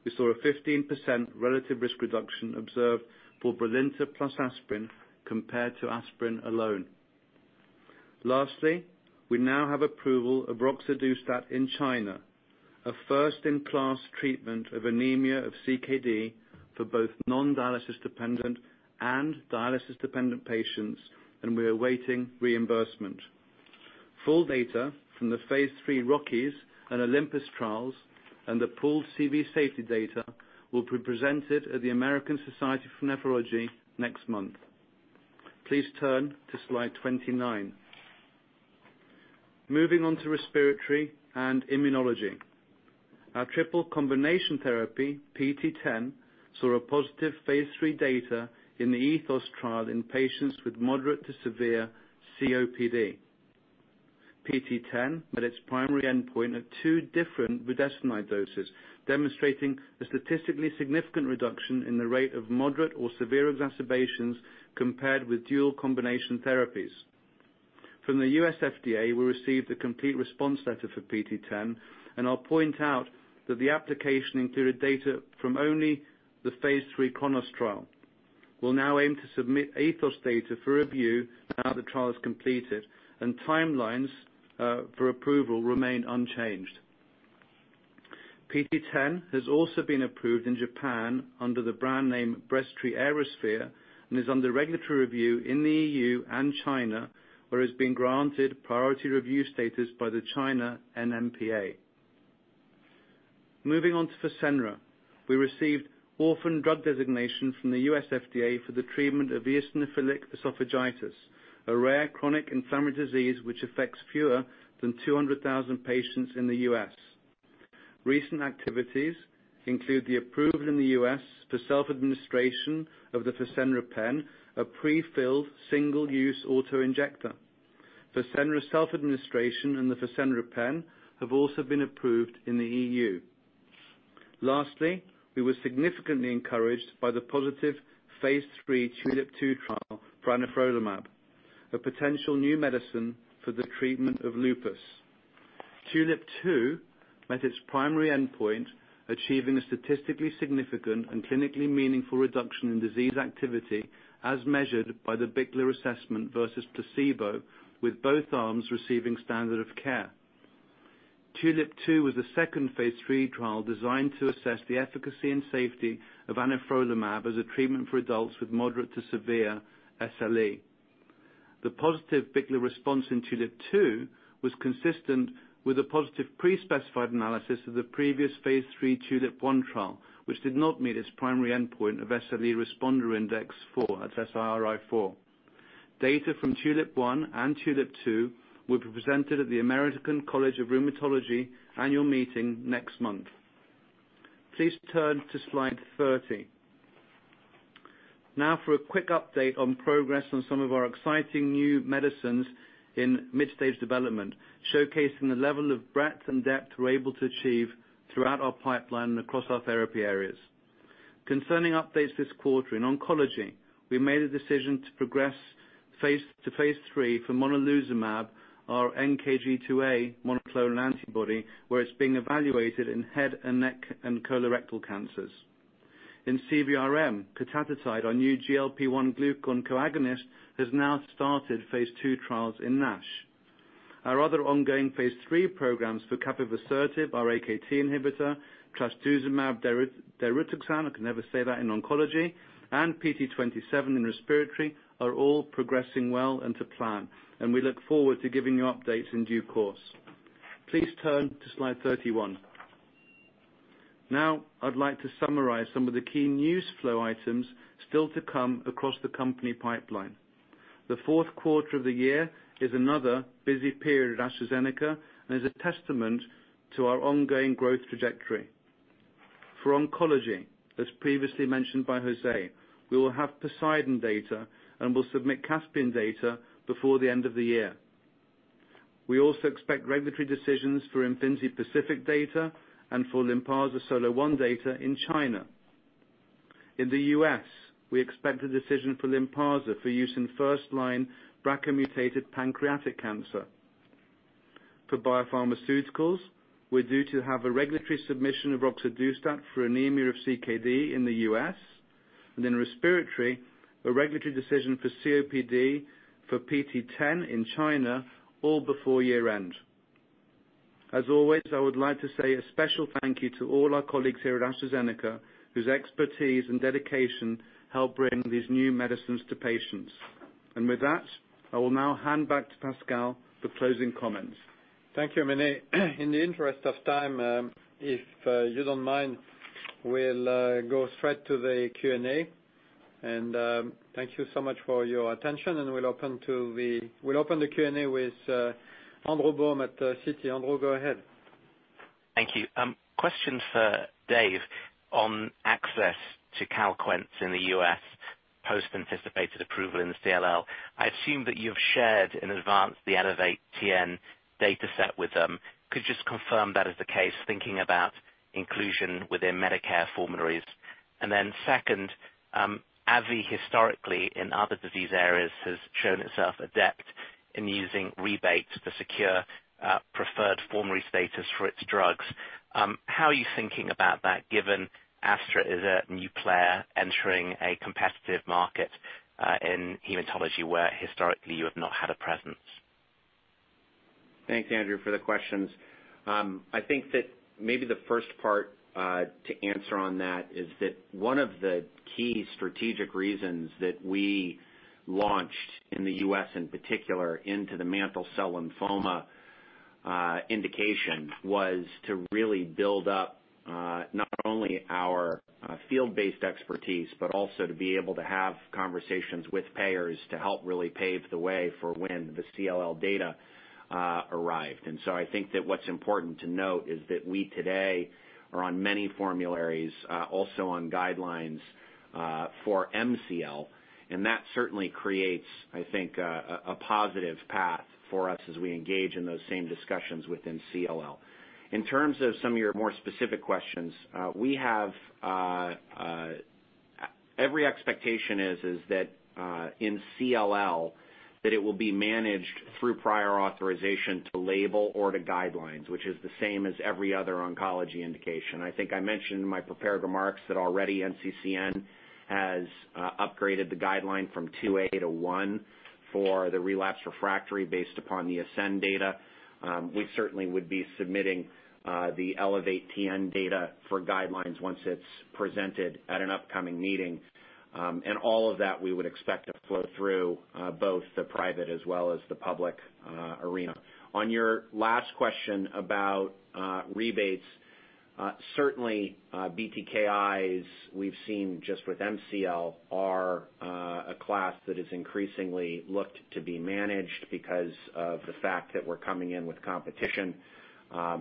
we saw a 15% relative risk reduction observed for Brilinta plus aspirin compared to aspirin alone. Lastly, we now have approval of roxadustat in China, a first-in-class treatment of anemia of CKD for both non-dialysis dependent and dialysis-dependent patients, and we are awaiting reimbursement. Full data from the phase III ROCKIES and OLYMPUS trials and the pooled CV safety data will be presented at the American Society of Nephrology next month. Please turn to slide 29. Moving on to respiratory and immunology. Our triple combination therapy, PT010, saw a positive phase III data in the ETHOS trial in patients with moderate to severe COPD. PT010 met its primary endpoint at two different budesonide doses, demonstrating a statistically significant reduction in the rate of moderate or severe exacerbations compared with dual combination therapies. From the U.S. FDA, we received a complete response letter for PT010. I'll point out that the application included data from only the phase III KRONOS trial. We'll now aim to submit ETHOS data for review now the trial is completed, and timelines for approval remain unchanged. PT010 has also been approved in Japan under the brand name Breztri Aerosphere and is under regulatory review in the EU and China, where it's been granted priority review status by the China NMPA. Moving on to FASENRA. We received orphan drug designation from the U.S. FDA for the treatment of eosinophilic esophagitis, a rare chronic inflammatory disease which affects fewer than 200,000 patients in the U.S. Recent activities include the approval in the U.S. for self-administration of the FASENRA Pen, a prefilled single-use auto-injector. FASENRA self-administration and the FASENRA Pen have also been approved in the EU. Lastly, we were significantly encouraged by the positive phase III TULIP-2 trial for anifrolumab, a potential new medicine for the treatment of lupus. TULIP-2 met its primary endpoint, achieving a statistically significant and clinically meaningful reduction in disease activity as measured by the BICLA assessment versus placebo, with both arms receiving standard of care. TULIP-2 was the second phase III trial designed to assess the efficacy and safety of anifrolumab as a treatment for adults with moderate to severe SLE. The positive BICLA response in TULIP-2 was consistent with a positive pre-specified analysis of the previous phase III TULIP-1 trial, which did not meet its primary endpoint of SLE Responder Index 4. That's SRI-4. Data from TULIP-1 and TULIP-2 will be presented at the American College of Rheumatology annual meeting next month. Please turn to slide 30. For a quick update on progress on some of our exciting new medicines in mid-stage development, showcasing the level of breadth and depth we're able to achieve throughout our pipeline and across our therapy areas. Concerning updates this quarter in oncology, we made a decision to progress to phase III for Monalizumab, our NKG2A monoclonal antibody, where it's being evaluated in head and neck and colorectal cancers. In CVRM, Cotadutide, our new GLP-1 glucagon co-agonist has now started phase II trials in NASH. Our other ongoing phase III programs for Capivasertib, our AKT inhibitor, trastuzumab deruxtecan, I can never say that, in oncology, and PT027 in respiratory are all progressing well and to plan, and we look forward to giving you updates in due course. Please turn to slide 31. Now I'd like to summarize some of the key news flow items still to come across the company pipeline. The fourth quarter of the year is another busy period at AstraZeneca and is a testament to our ongoing growth trajectory. For oncology, as previously mentioned by José, we will have POSEIDON data and will submit CASPIAN data before the end of the year. We also expect regulatory decisions for IMFINZI PACIFIC data and for Lynparza SOLO-1 data in China. In the U.S., we expect a decision for Lynparza for use in first-line BRCA-mutated pancreatic cancer. For biopharmaceuticals, we're due to have a regulatory submission of roxadustat for anemia of CKD in the U.S., and in respiratory, a regulatory decision for COPD for PT010 in China, all before year-end. As always, I would like to say a special thank you to all our colleagues here at AstraZeneca, whose expertise and dedication help bring these new medicines to patients. With that, I will now hand back to Pascal for closing comments. Thank you, Mene. In the interest of time, if you don't mind, we'll go straight to the Q&A. Thank you so much for your attention. We'll open the Q&A with Andrew Baum at Citi. Andrew, go ahead. Thank you. Question for Dave on access to CALQUENCE in the U.S. post-anticipated approval in the CLL. I assume that you've shared in advance the ELEVATE-TN data set with them. Could you just confirm that is the case, thinking about inclusion within Medicare formularies? Second, AbbVie, historically, in other disease areas, has shown itself adept in using rebates to secure preferred formulary status for its drugs. How are you thinking about that given Astra is a new player entering a competitive market in hematology, where historically you have not had a presence? Thanks, Andrew, for the questions. I think that maybe the first part to answer on that is that one of the key strategic reasons that we launched in the U.S. in particular into the mantle cell lymphoma indication was to really build up not only our field-based expertise, but also to be able to have conversations with payers to help really pave the way for when the CLL data arrived. I think that what's important to note is that we today are on many formularies, also on guidelines for MCL, and that certainly creates, I think, a positive path for us as we engage in those same discussions within CLL. In terms of some of your more specific questions, every expectation is that in CLL, that it will be managed through prior authorization to label or to guidelines, which is the same as every other oncology indication. I think I mentioned in my prepared remarks that already NCCN has upgraded the guideline from 2A to 1 for the relapsed refractory based upon the ASCEND data. We certainly would be submitting the ELEVATE-TN data for guidelines once it's presented at an upcoming meeting. All of that we would expect to flow through both the private as well as the public arena. On your last question about rebates, certainly BTKis, we've seen just with MCL are a class that is increasingly looked to be managed because of the fact that we're coming in with competition. I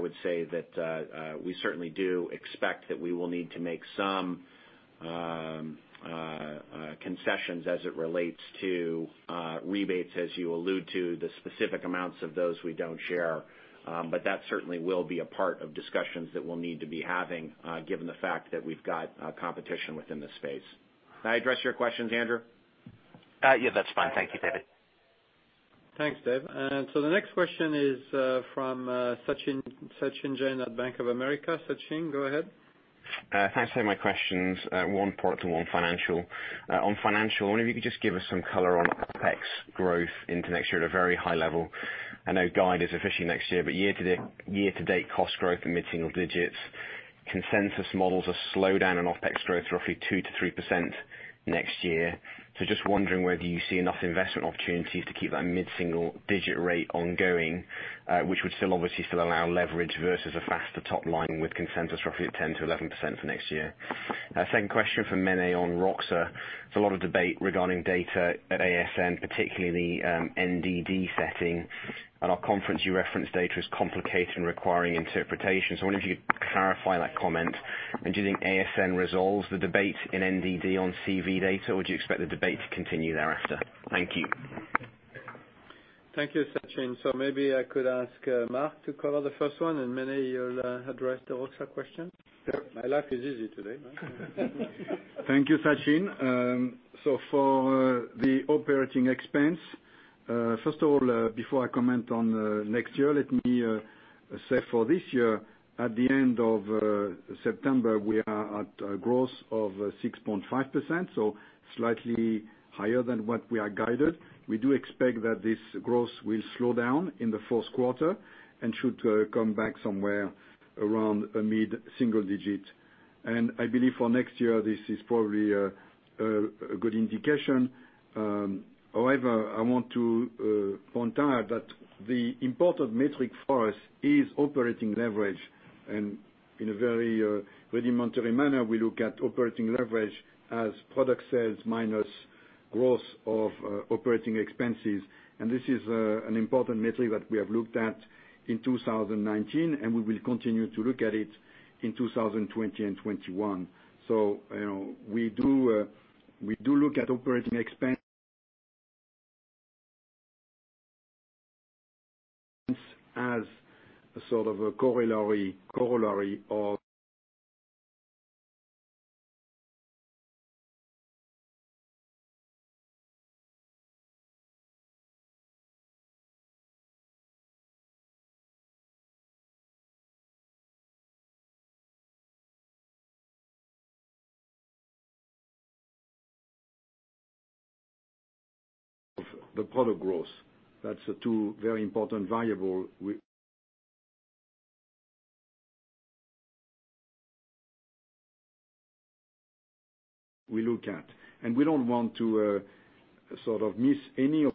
would say that we certainly do expect that we will need to make some concessions as it relates to rebates, as you allude to. The specific amounts of those we don't share. That certainly will be a part of discussions that we'll need to be having given the fact that we've got competition within the space. Did I address your questions, Andrew? Yeah, that's fine. Thank you, David. Thanks, Dave. The next question is from Sachin Jain at Bank of America. Sachin, go ahead. Thanks for taking my questions, one product and one financial. I wonder if you could just give us some color on OpEx growth into next year at a very high level. I know guide is officially next year-to-date cost growth in mid-single digits. Consensus models are slowed down on OpEx growth roughly 2%-3% next year. Just wondering whether you see enough investment opportunities to keep that mid-single-digit rate ongoing, which would obviously still allow leverage versus a faster top line with consensus roughly at 10%-11% for next year. Second question for Mene on roxa. There's a lot of debate regarding data at ASN, particularly in the NDD setting. At our conference, you referenced data as complicated and requiring interpretation. I wonder if you could clarify that comment. Do you think ASN resolves the debate in NDD on CV data, or do you expect the debate to continue thereafter? Thank you. Thank you, Sachin. Maybe I could ask Marc to call out the first one, and Mene, you'll address the roxa question. Sure. My life is easy today, Marc. Thank you, Sachin. For the operating expense, first of all, before I comment on next year, let me say for this year, at the end of September, we are at a growth of 6.5%, slightly higher than what we are guided. We do expect that this growth will slow down in the fourth quarter and should come back somewhere around mid-single digit. I believe for next year, this is probably a good indication. However, I want to point out that the important metric for us is operating leverage. In a very rudimentary manner, we look at operating leverage as product sales minus growth of operating expenses. This is an important metric that we have looked at in 2019, and we will continue to look at it in 2020 and 2021. We do look at operating expense A sort of a corollary of the product growth. That's two very important variables we look at. We don't want to sort of miss any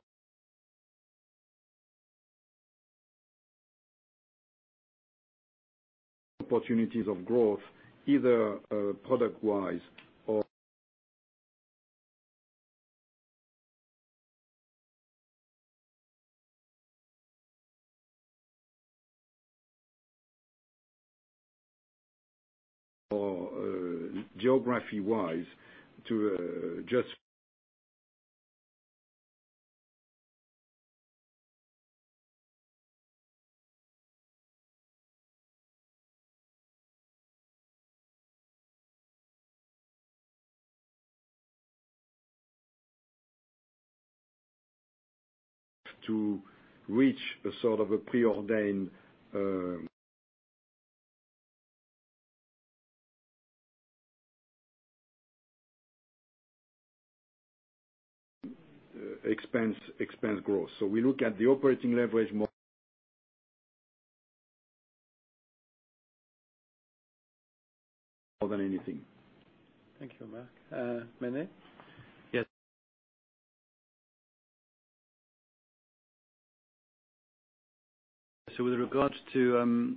opportunities of growth, either product-wise or geography-wise, to just have to reach a sort of a preordained expense growth. We look at the operating leverage more than anything. Thank you, Marc. Mene? Yes. With regards to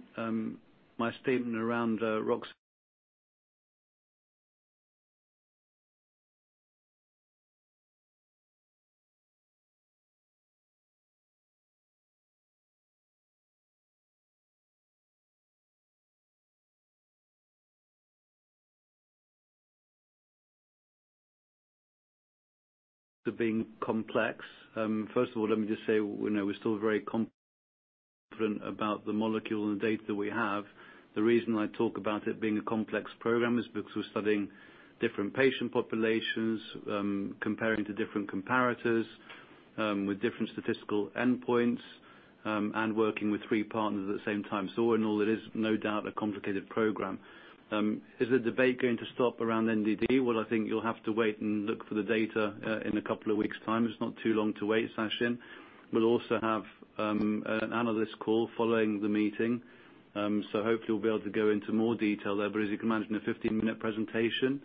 my statement around Rox-, -being complex. First of all, let me just say we're still very confident about the molecule and the data we have. The reason I talk about it being a complex program is because we're studying different patient populations, comparing to different comparators, with different statistical endpoints, and working with three partners at the same time. In all, it is no doubt a complicated program. Is the debate going to stop around NDD? I think you'll have to wait and look for the data in a couple of weeks' time. It's not too long to wait, Sachin. We'll also have an analyst call following the meeting. Hopefully we'll be able to go into more detail there. As you can imagine, a 15-minute presentation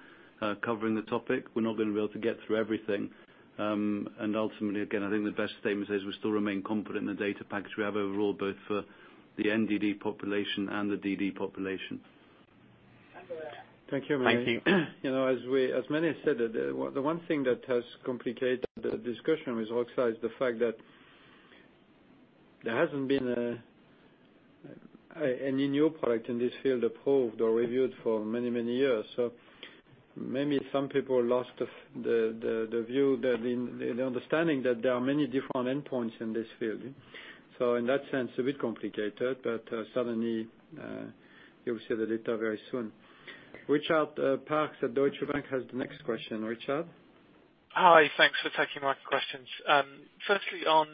covering the topic, we're not going to be able to get through everything. Ultimately, again, I think the best statement is we still remain confident in the data package we have overall, both for the NDD population and the DD population. Thank you, Mene. Thank you. As Mene said, the one thing that has complicated the discussion with roxadustat is the fact that there hasn't been any new product in this field approved or reviewed for many, many years. Maybe some people lost the understanding that there are many different endpoints in this field. In that sense, a bit complicated, but certainly, you'll see the data very soon. Richard Parkes at Deutsche Bank has the next question. Richard? Hi. Thanks for taking my questions. Firstly, on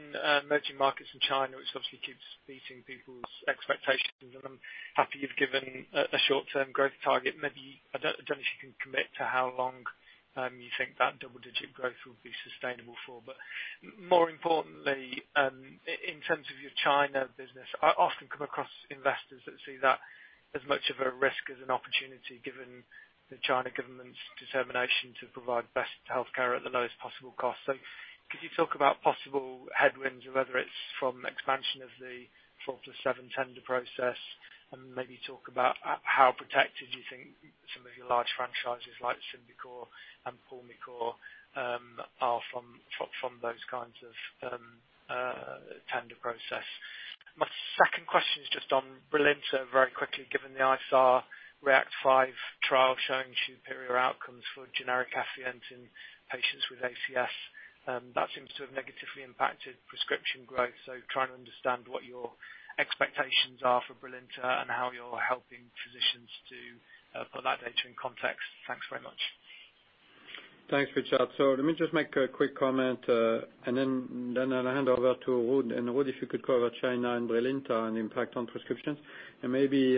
emerging markets in China, which obviously keeps beating people's expectations, and I'm happy you've given a short-term growth target. Maybe, I don't know if you can commit to how long you think that double-digit growth will be sustainable for. More importantly, in terms of your China business, I often come across investors that see that as much of a risk as an opportunity, given the China government's determination to provide best healthcare at the lowest possible cost. Could you talk about possible headwinds, whether it's from expansion of the 4+7 tender process, and maybe talk about how protected you think some of your large franchises like Symbicort and Pulmicort are from those kinds of tender process. My second question is just on Brilinta very quickly, given the ISAR-REACT 5 trial showing superior outcomes for generic Efient in patients with ACS. That seems to have negatively impacted prescription growth. Trying to understand what your expectations are for Brilinta and how you're helping physicians to put that data in context? Thanks very much. Thanks, Richard. Let me just make a quick comment, then I'll hand over to Ruud. Ruud, if you could cover China and Brilinta and impact on prescriptions. Maybe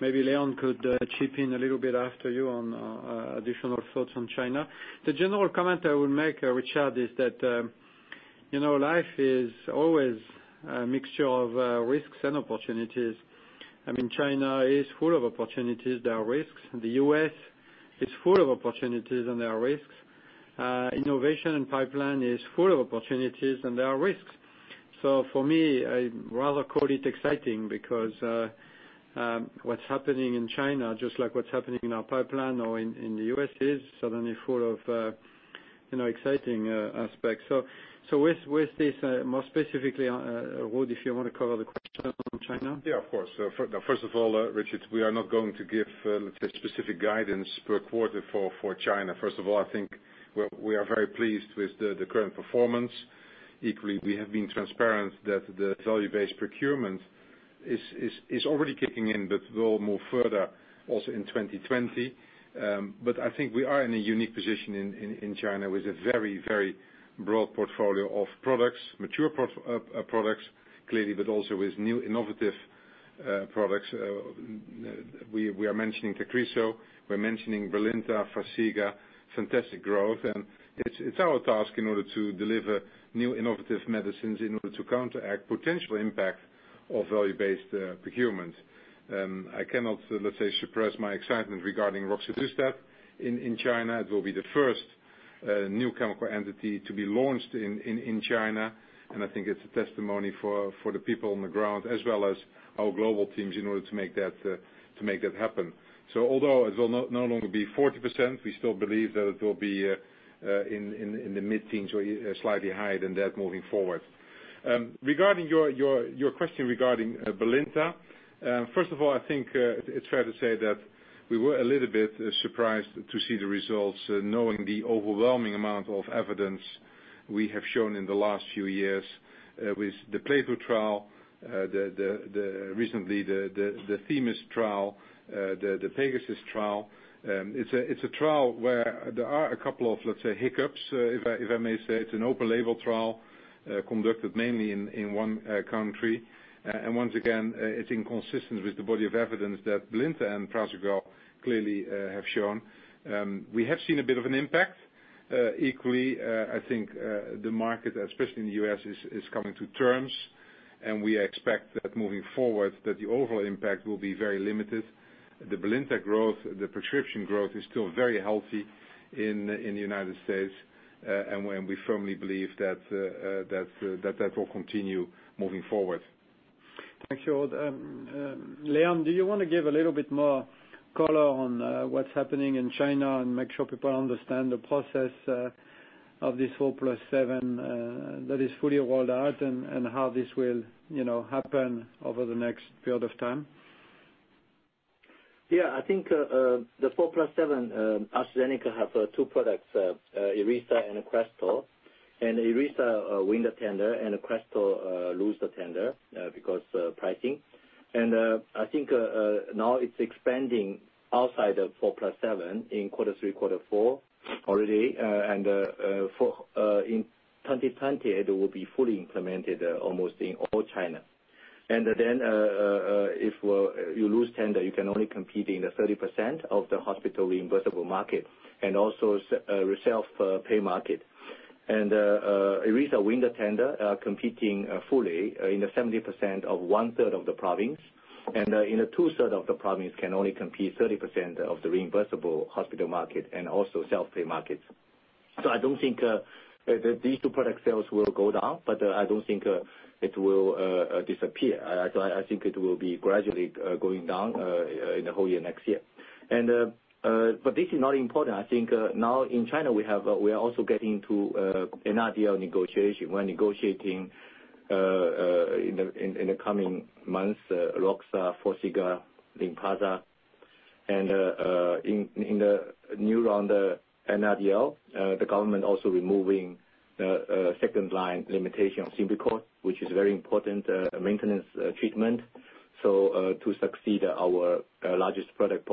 Leon could chip in a little bit after you on additional thoughts on China. The general comment I would make, Richard, is that life is always a mixture of risks and opportunities. China is full of opportunities. There are risks. The U.S. is full of opportunities, and there are risks. Innovation pipeline is full of opportunities, and there are risks. For me, I'd rather call it exciting because what's happening in China, just like what's happening in our pipeline or in the U.S., is suddenly full of exciting aspects. With this, more specifically, Ruud, if you want to cover the question on China? Yeah, of course. First of all, Richard, we are not going to give specific guidance per quarter for China. First of all, I think we are very pleased with the current performance. Equally, we have been transparent that the value-based procurement is already kicking in, will move further also in 2020. I think we are in a unique position in China with a very broad portfolio of products, mature products, clearly, but also with new innovative products. We are mentioning TAGRISSO, we're mentioning BRILINTA, FARXIGA, fantastic growth. It's our task in order to deliver new innovative medicines in order to counteract potential impact of value-based procurement. I cannot, let's say, suppress my excitement regarding roxadustat in China. It will be the first new chemical entity to be launched in China. I think it's a testimony for the people on the ground as well as our global teams in order to make that happen. Although it will no longer be 40%, we still believe that it will be in the mid-teens or slightly higher than that moving forward. Your question regarding Brilinta, first of all, I think it's fair to say that we were a little bit surprised to see the results, knowing the overwhelming amount of evidence we have shown in the last few years, with the PLATO trial, recently the THEMIS trial, the PEGASUS trial. It's a trial where there are a couple of, let's say, hiccups, if I may say. It's an open label trial, conducted mainly in one country. Once again, it's inconsistent with the body of evidence that Brilinta and Pradaxa clearly have shown. We have seen a bit of an impact. Equally, I think, the market, especially in the U.S., is coming to terms, and we expect that moving forward, that the overall impact will be very limited. The Brilinta growth, the prescription growth is still very healthy in the United States, and we firmly believe that will continue moving forward. Thank you. Leon, do you want to give a little bit more color on what's happening in China and make sure people understand the process of this 4+7 that is fully rolled out, and how this will happen over the next period of time? Yeah, I think, the 4+7, AstraZeneca have two products, Iressa and Crestor. Iressa win the tender and Crestor lose the tender because pricing. I think now it's expanding outside of 4+7 in quarter three, quarter four already. In 2020, it will be fully implemented almost in all China. If you lose tender, you can only compete in the 30% of the hospital reimbursable market and also self-pay market. Iressa win the tender, competing fully in the 70% of one-third of the province, and in the two-third of the province can only compete 30% of the reimbursable hospital market and also self-pay markets. I don't think these two product sales will go down, but I don't think it will disappear. I think it will be gradually going down in the whole year next year. This is not important. I think now in China, we are also getting to NRDL negotiation. We're negotiating in the coming months, roxadustat, FARXIGA, Lynparza. In the new round of NRDL, the government also removing second-line limitation on SYMBICORT, which is very important maintenance treatment, so to succeed our largest product,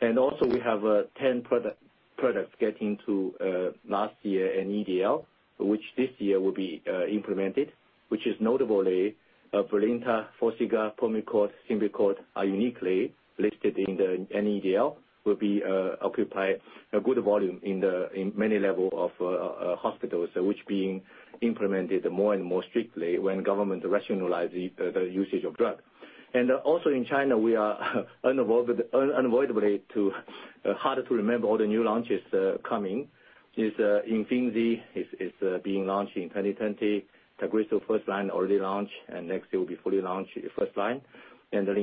Pulmicort. Also, we have 10 products getting to last year NRDL, which this year will be implemented, which is notably Brilinta, FARXIGA, Pulmicort, Symbicort are uniquely listed in the NRDL, will be occupy a good volume in many level of hospitals, which being implemented more and more strictly when government rationalize the usage of drug. Also in China, we are unavoidably to harder to remember all the new launches coming. Is Imfinzi is being launched in 2020. TAGRISSO first line already launched, and next year will be fully launched first line. and the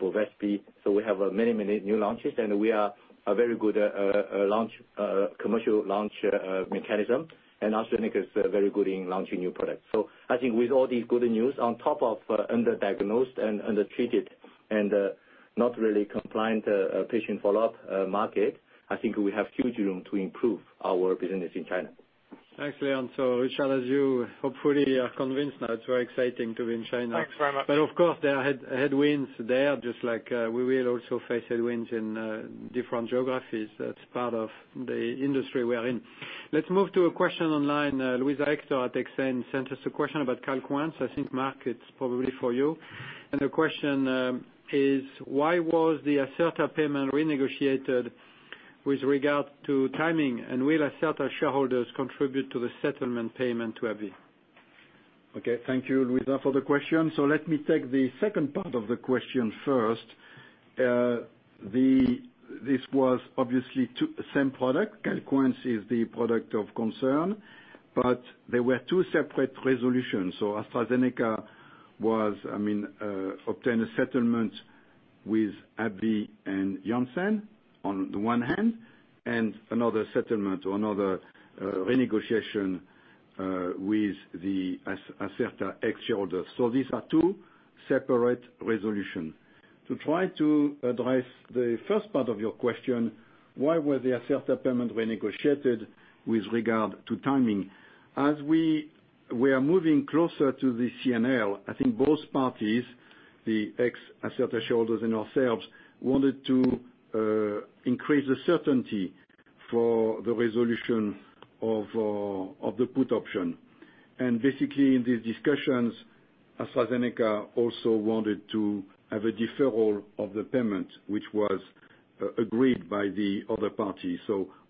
Bevespi. We have many new launches, and we are a very good commercial launch mechanism. AstraZeneca is very good in launching new products. I think with all these good news on top of underdiagnosed and undertreated and not really compliant patient follow-up market, I think we have huge room to improve our business in China. Thanks, Leon. Richard, as you hopefully are convinced now, it's very exciting to be in China. Thanks very much. Of course, there are headwinds there, just like we will also face headwinds in different geographies. That's part of the industry we are in. Let's move to a question online. Luisa Hector at Exane sent us a question about CALQUENCE. I think, Marc, it's probably for you. The question is: why was the Acerta payment renegotiated with regard to timing, and will Acerta shareholders contribute to the settlement payment to AbbVie? Okay. Thank you, Luisa, for the question. Let me take the second part of the question first. This was obviously same product. Calquence is the product of concern, but there were two separate resolutions. AstraZeneca obtained a settlement with AbbVie and Janssen on the one hand, and another settlement or another renegotiation with the Acerta ex-shareholders. These are two separate resolution. To try to address the first part of your question, why were the Acerta payment renegotiated with regard to timing? As we are moving closer to the CNL, I think both parties, the ex-Acerta shareholders, and ourselves, wanted to increase the certainty for the resolution of the put option. Basically, in these discussions, AstraZeneca also wanted to have a deferral of the payment, which was agreed by the other party.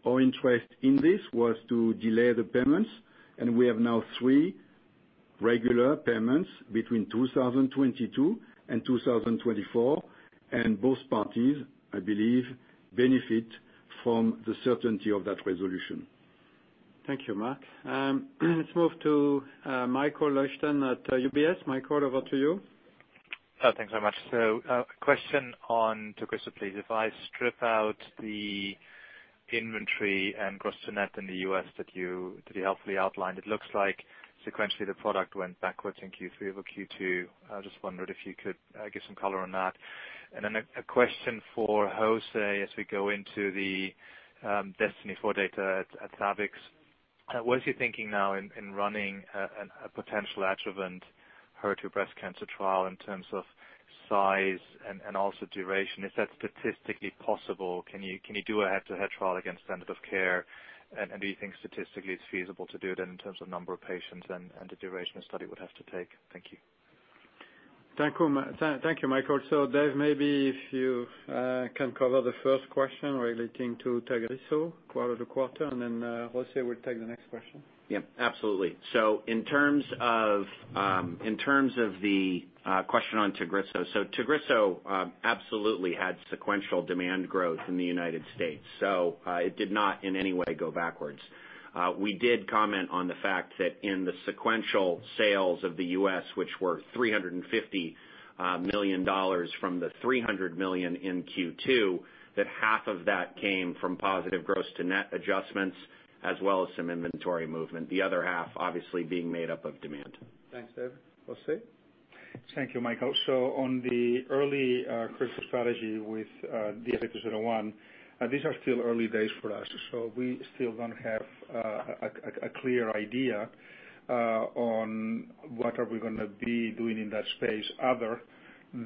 Our interest in this was to delay the payments. We have now 3 regular payments between 2022 and 2024, and both parties, I believe, benefit from the certainty of that resolution. Thank you, Marc. Let's move to Michael Leuchten at UBS. Michael, over to you. Thanks so much. A question on TAGRISSO, please. If I strip out the inventory and gross to net in the U.S. that you helpfully outlined, it looks like sequentially the product went backwards in Q3 over Q2. I just wondered if you could give some color on that. A question for José as we go into the DESTINY-Breast04 data at SABCS. What is your thinking now in running a potential adjuvant HER2 breast cancer trial in terms of size and also duration? Is that statistically possible? Can you do a head-to-head trial against standard of care? Do you think statistically it's feasible to do it in terms of number of patients and the duration the study would have to take? Thank you. Thank you, Michael. Dave, maybe if you can cover the first question relating to Tagrisso, quarter to quarter, and then José will take the next question. Yep, absolutely. In terms of the question on TAGRISSO. TAGRISSO absolutely had sequential demand growth in the U.S., so it did not in any way go backwards. We did comment on the fact that in the sequential sales of the U.S., which were $350 million from $300 million in Q2, that half of that came from positive gross to net adjustments as well as some inventory movement, the other half obviously being made up of demand. Thanks, Dave. José? Thank you, Michael. On the early critical strategy with DS-8201, these are still early days for us. We still don't have a clear idea on what are we going to be doing in that space other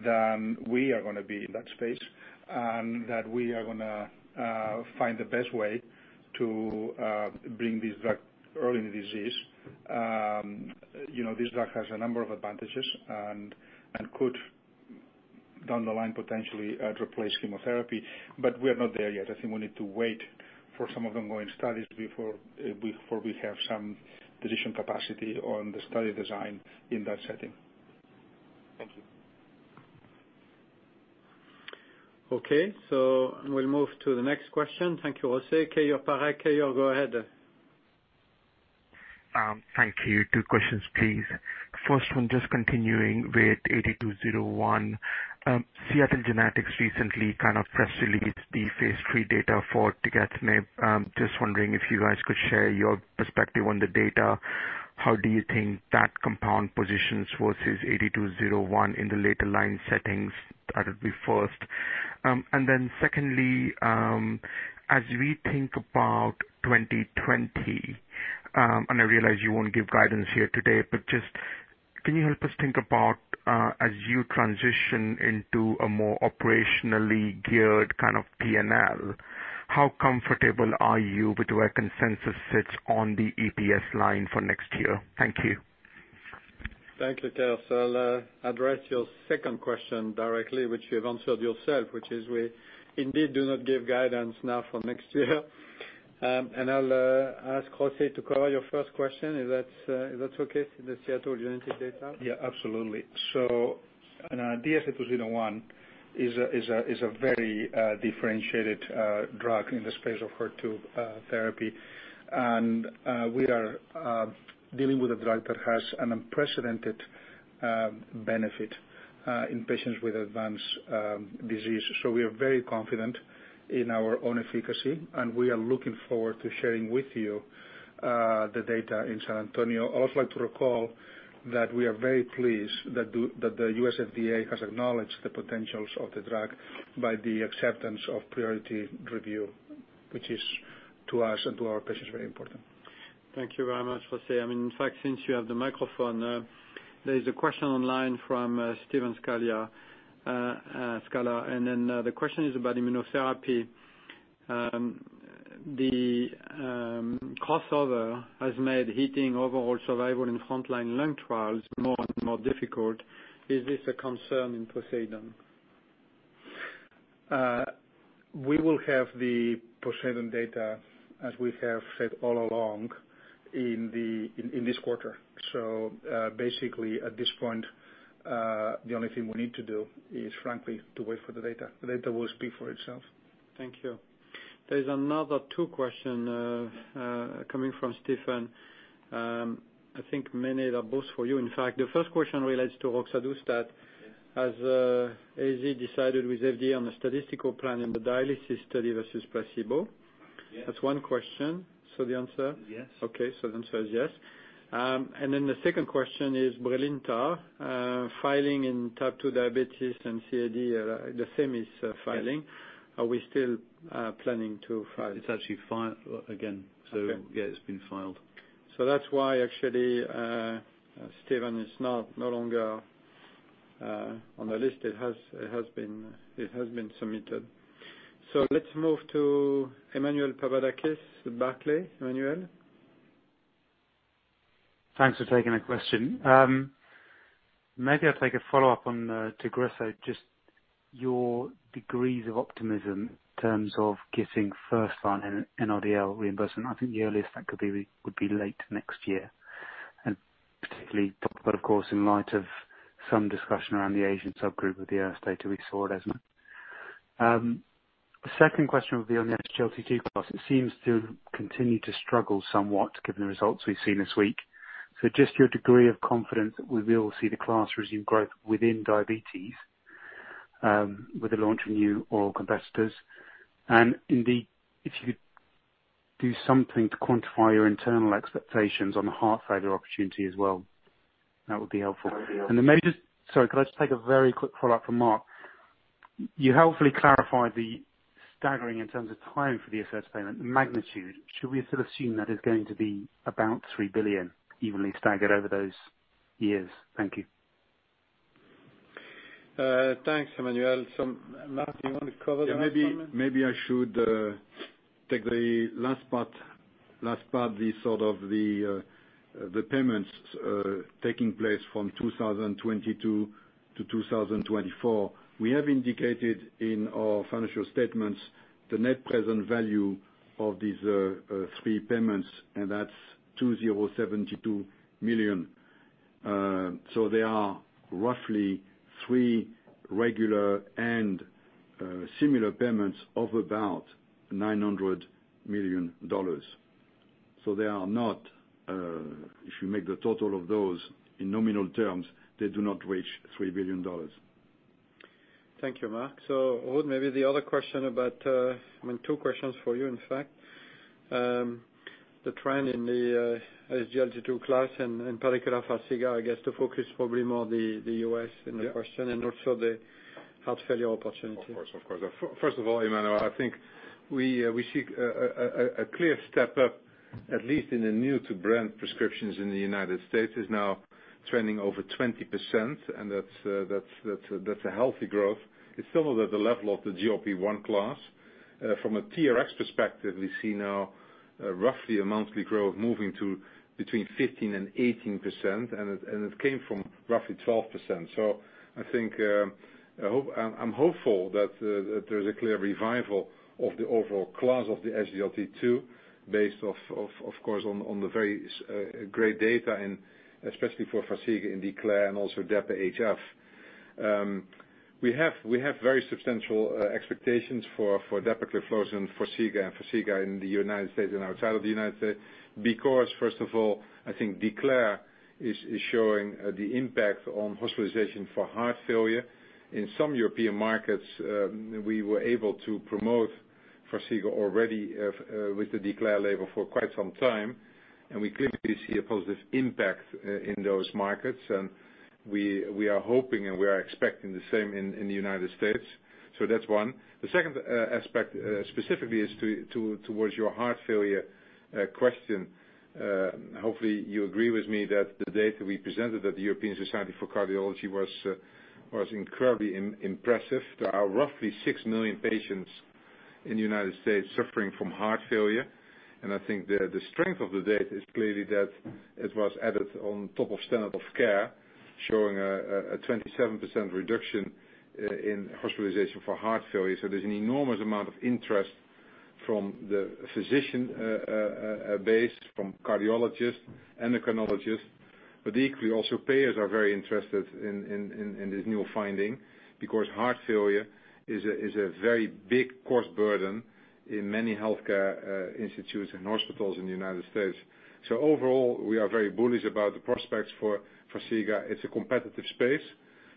than we are going to be in that space, and that we are going to find the best way to bring this drug early in the disease. This drug has a number of advantages and could, down the line, potentially replace chemotherapy. We are not there yet. I think we need to wait for some ongoing studies before we have some decision capacity on the study design in that setting. Thank you. Okay. We'll move to the next question. Thank you, José. Keyur Parekh. Keyur, go ahead. Thank you. Two questions, please. First one, just continuing with DS-8201. Seattle Genetics recently kind of press released the phase III data for TAGRISSO. Just wondering if you guys could share your perspective on the data. How do you think that compound positions versus DS-8201 in the later line settings? That would be first. Secondly, as we think about 2020, and I realize you won't give guidance here today, but just can you help us think about, as you transition into a more operationally geared kind of P&L, how comfortable are you with where consensus sits on the EPS line for next year? Thank you. Thank you, Keyur. I'll address your second question directly, which you have answered yourself, which is we indeed do not give guidance now for next year. I'll ask José to cover your first question. Is that okay? The Seattle Genetics data. Yeah, absolutely. DS-8201 is a very differentiated drug in the space of HER2 therapy. We are dealing with a drug that has an unprecedented benefit in patients with advanced disease. We are very confident in our own efficacy, and we are looking forward to sharing with you the data in San Antonio. I'd also like to recall that we are very pleased that the U.S. FDA has acknowledged the potentials of the drug by the acceptance of priority review, which is, to us and to our patients, very important. Thank you very much, José. In fact, since you have the microphone, there's a question online from Steve Scala. The question is about immunotherapy. The crossover has made hitting overall survival in frontline lung trials more and more difficult. Is this a concern in POSEIDON? We will have the POSEIDON data, as we have said all along, in this quarter. Basically at this point, the only thing we need to do is frankly to wait for the data. The data will speak for itself. Thank you. There's another two question coming from Steven. I think many are both for you. In fact, the first question relates to roxadustat. Has AZ decided with FDA on a statistical plan in the dialysis study versus placebo? That's one question. The answer? Yes. Okay. The answer is yes. The second question is Brilinta filing in type 2 diabetes and CAD, the same is filing. Yes. Are we still planning to file? It's actually filed again. Okay. Yeah, it's been filed. That's why actually, Steven is no longer on the list. It has been submitted. Let's move to Emmanuel Papadakis, Barclays. Emmanuel? Thanks for taking the question. Maybe I'll take a follow-up on TAGRISSO, just your degrees of optimism in terms of getting first-line NRDL reimbursement. I think the earliest that could be would be late next year. Particularly, but of course, in light of some discussion around the Asian subgroup of the AURA data we saw at ESMO. Second question would be on the SGLT2 class. It seems to continue to struggle somewhat, given the results we've seen this week. Just your degree of confidence that we will see the class resume growth within diabetes, with the launch of new oral competitors. Indeed, if you could do something to quantify your internal expectations on the heart failure opportunity as well, that would be helpful. Sorry, could I just take a very quick follow-up from Marc? You helpfully clarified the staggering in terms of time for the assessed payment magnitude. Should we sort of assume that it's going to be about $3 billion evenly staggered over those years? Thank you. Thanks, Emmanuel. Marc, do you want to cover that one? I should take the last part, the sort of the payments taking place from 2022 to 2024. We have indicated in our financial statements the net present value of these three payments, and that's $2,072 million. They are roughly three regular and similar payments of about $900 million. They are not, if you make the total of those in nominal terms, they do not reach $3 billion. Thank you, Marc. Ruud, maybe the other question about I mean, two questions for you, in fact. The trend in the SGLT2 class and in particular FARXIGA, I guess the focus is probably more the U.S. in the question, and also the heart failure opportunity. Of course. First of all, Emmanuel, I think we see a clear step up, at least in the new-to-brand prescriptions in the U.S. It's now trending over 20%, and that's a healthy growth. It's still not at the level of the GLP-1 class. From a TRX perspective, we see now roughly a monthly growth moving to between 15% and 18%, and it came from roughly 12%. I'm hopeful that there's a clear revival of the overall class of the SGLT2 based, of course, on the very great data and especially for FARXIGA in DECLARE and also DAPA-HF. We have very substantial expectations for dapagliflozin, FARXIGA, and FARXIGA in the U.S. and outside of the U.S. because, first of all, I think DECLARE is showing the impact on hospitalization for heart failure. In some European markets, we were able to promote FARXIGA already with the DECLARE label for quite some time. We clearly see a positive impact in those markets, and we are hoping, and we are expecting the same in the U.S. That's one. The second aspect specifically is towards your heart failure question. Hopefully, you agree with me that the data we presented at the European Society of Cardiology was incredibly impressive. There are roughly 6 million patients in the U.S. suffering from heart failure. I think the strength of the data is clearly that it was added on top of standard of care, showing a 27% reduction in hospitalization for heart failure. There's an enormous amount of interest from the physician base, from cardiologists, endocrinologists. Equally also, payers are very interested in this new finding because heart failure is a very big cost burden in many healthcare institutes and hospitals in the United States. Overall, we are very bullish about the prospects for FARXIGA. It's a competitive space,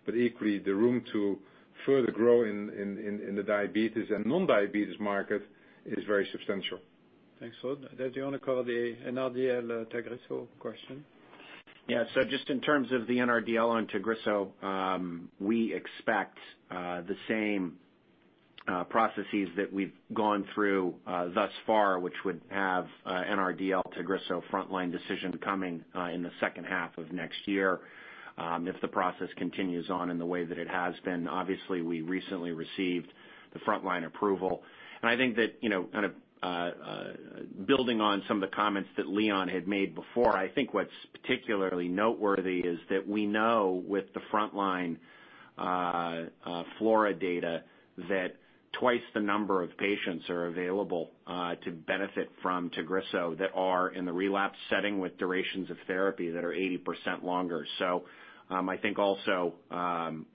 but equally, the room to further grow in the diabetes and non-diabetes market is very substantial. Thanks, Ruud. Dave, do you want to cover the NRDL TAGRISSO question? Yeah. Just in terms of the NRDL on Tagrisso, we expect the same processes that we've gone through thus far, which would have NRDL Tagrisso frontline decision coming in the second half of next year, if the process continues on in the way that it has been. Obviously, we recently received the frontline approval. I think that, kind of building on some of the comments that Leon had made before, I think what's particularly noteworthy is that we know with the frontline FLAURA data that twice the number of patients are available to benefit from Tagrisso that are in the relapse setting with durations of therapy that are 80% longer. I think also,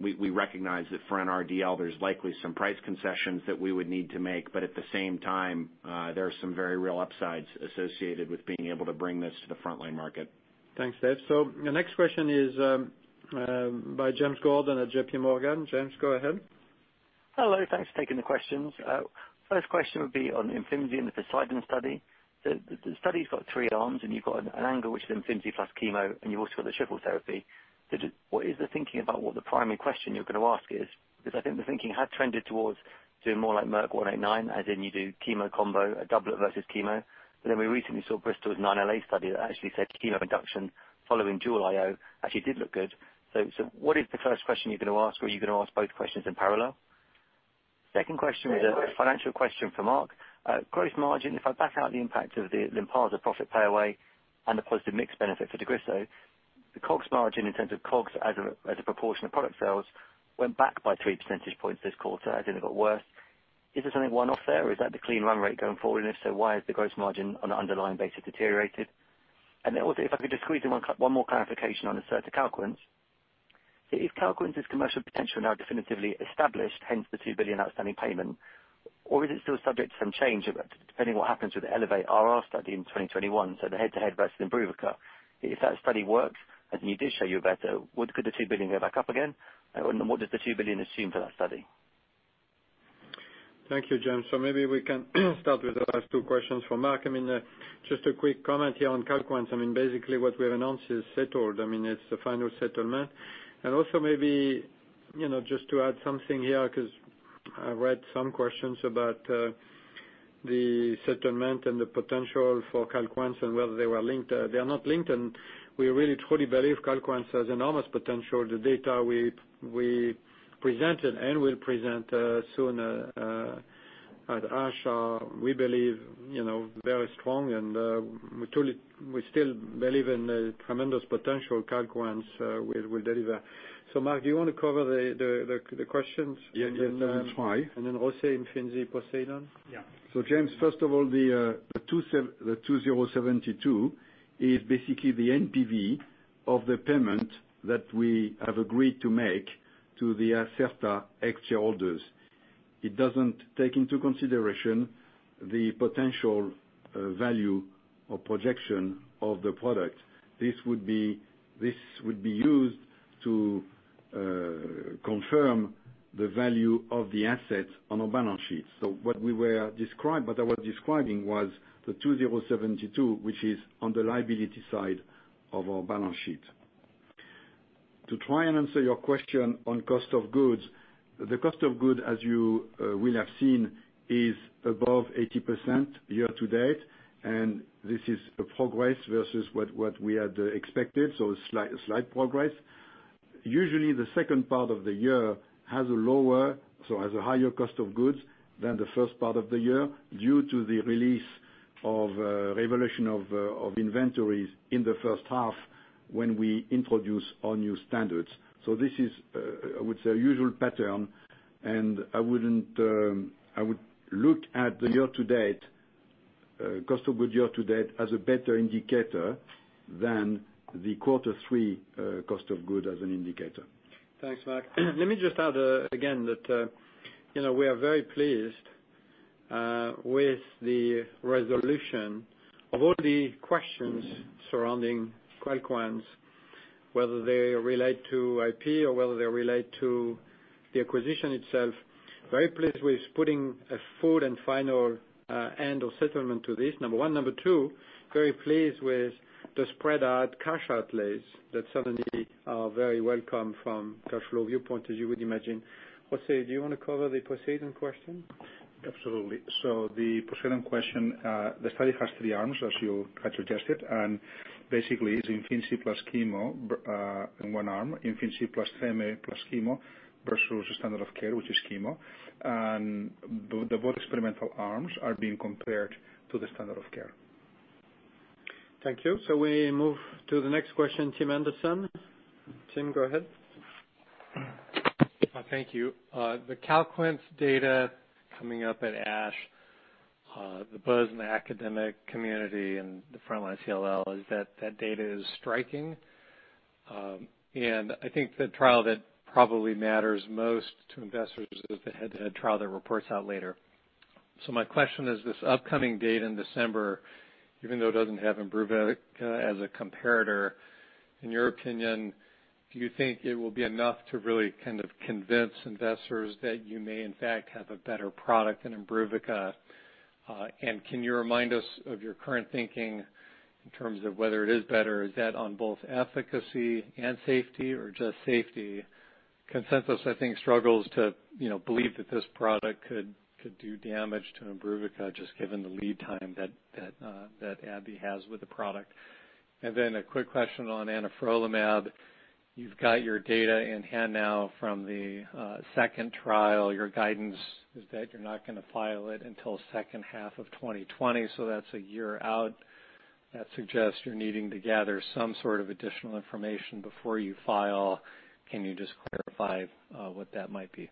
we recognize that for NRDL, there's likely some price concessions that we would need to make. At the same time, there are some very real upsides associated with being able to bring this to the frontline market. Thanks, Dave. The next question is by James Gordon at JPMorgan. James, go ahead. Hello. Thanks for taking the questions. First question would be on Imfinzi and the POSEIDON study. The study's got three arms, you've got an angle which is Imfinzi plus chemo, you've also got the triple therapy. What is the thinking about what the primary question you're going to ask is? I think the thinking had trended towards doing more like KEYNOTE-189, as in you do chemo combo, a doublet versus chemo. We recently saw Bristol's CheckMate-9LA study that actually said chemo induction following dual IO actually did look good. What is the first question you're going to ask, or are you going to ask both questions in parallel? Second question is a financial question for Marc. Gross margin, if I back out the impact of the Lynparza profit pay away and the positive mix benefit for Tagrisso, the COGS margin in terms of COGS as a proportion of product sales went back by three percentage points this quarter, as in it got worse. Is there something one-off there, or is that the clean run rate going forward? If so, why has the gross margin on an underlying basis deteriorated? Also if I could just squeeze in one more clarification on Acerta Calquence. If Calquence's commercial potential now definitively established, hence the $2 billion outstanding payment, or is it still subject to some change, depending what happens with the ELEVATE-RR study in 2021, so the head-to-head versus IMBRUVICA. If that study works and it did show you better, could the $2 billion go back up again? What does the $2 billion assume for that study? Thank you, James. Maybe we can start with the last two questions for Marc. Just a quick comment here on CALQUENCE. Basically what we've announced is settled. It's the final settlement. Also maybe, just to add something here, because I read some questions about the settlement and the potential for CALQUENCE and whether they were linked. They are not linked. We really, truly believe CALQUENCE has enormous potential. The data we presented and will present soon at ASH, we believe very strong. We still believe in the tremendous potential CALQUENCE will deliver. Marc, do you want to cover the questions? Yeah. Also IMFINZI POSEIDON? James, first of all, the $2,072 is basically the NPV of the payment that we have agreed to make to the Acerta shareholders. It doesn't take into consideration the potential value or projection of the product. This would be used to confirm the value of the asset on our balance sheet. What I was describing was the $2,072, which is on the liability side of our balance sheet. To try and answer your question on cost of goods, the cost of goods, as you will have seen, is above 80% year-to-date, this is a progress versus what we had expected, slight progress. Usually, the second part of the year has a higher cost of goods than the first part of the year due to the release of revaluation of inventories in the first half when we introduce our new standards. This is, I would say, a usual pattern, and I would look at the year-to-date, cost of goods year to date, as a better indicator than the quarter 3 cost of good as an indicator. Thanks, Marc. Let me just add again that we are very pleased with the resolution of all the questions surrounding CALQUENCE, whether they relate to IP or whether they relate to the acquisition itself. Very pleased with putting a full and final end or settlement to this, number one. Number two, very pleased with the spread-out cash outlays that suddenly are very welcome from cash flow viewpoint, as you would imagine. José, do you want to cover the POSEIDON question? Absolutely. The POSEIDON question, the study has three arms, as you had suggested, and basically it's Imfinzi plus chemo in one arm, Imfinzi plus tremelimumab plus chemo versus standard of care, which is chemo. Both experimental arms are being compared to the standard of care. Thank you. We move to the next question. Tim Anderson. Tim, go ahead. Thank you. The CALQUENCE data coming up at ASH, the buzz in the academic community and the frontline CLL is that data is striking. I think the trial that probably matters most to investors is the head-to-head trial that reports out later. My question is, this upcoming date in December, even though it doesn't have IMBRUVICA as a comparator, in your opinion, do you think it will be enough to really convince investors that you may in fact have a better product than IMBRUVICA? Can you remind us of your current thinking in terms of whether it is better? Is that on both efficacy and safety or just safety? Consensus, I think, struggles to believe that this product could do damage to IMBRUVICA just given the lead time that AbbVie has with the product. Then a quick question on anifrolumab. You've got your data in hand now from the second trial. Your guidance is that you're not going to file it until second half of 2020. That's a year out. That suggests you're needing to gather some sort of additional information before you file. Can you just clarify what that might be?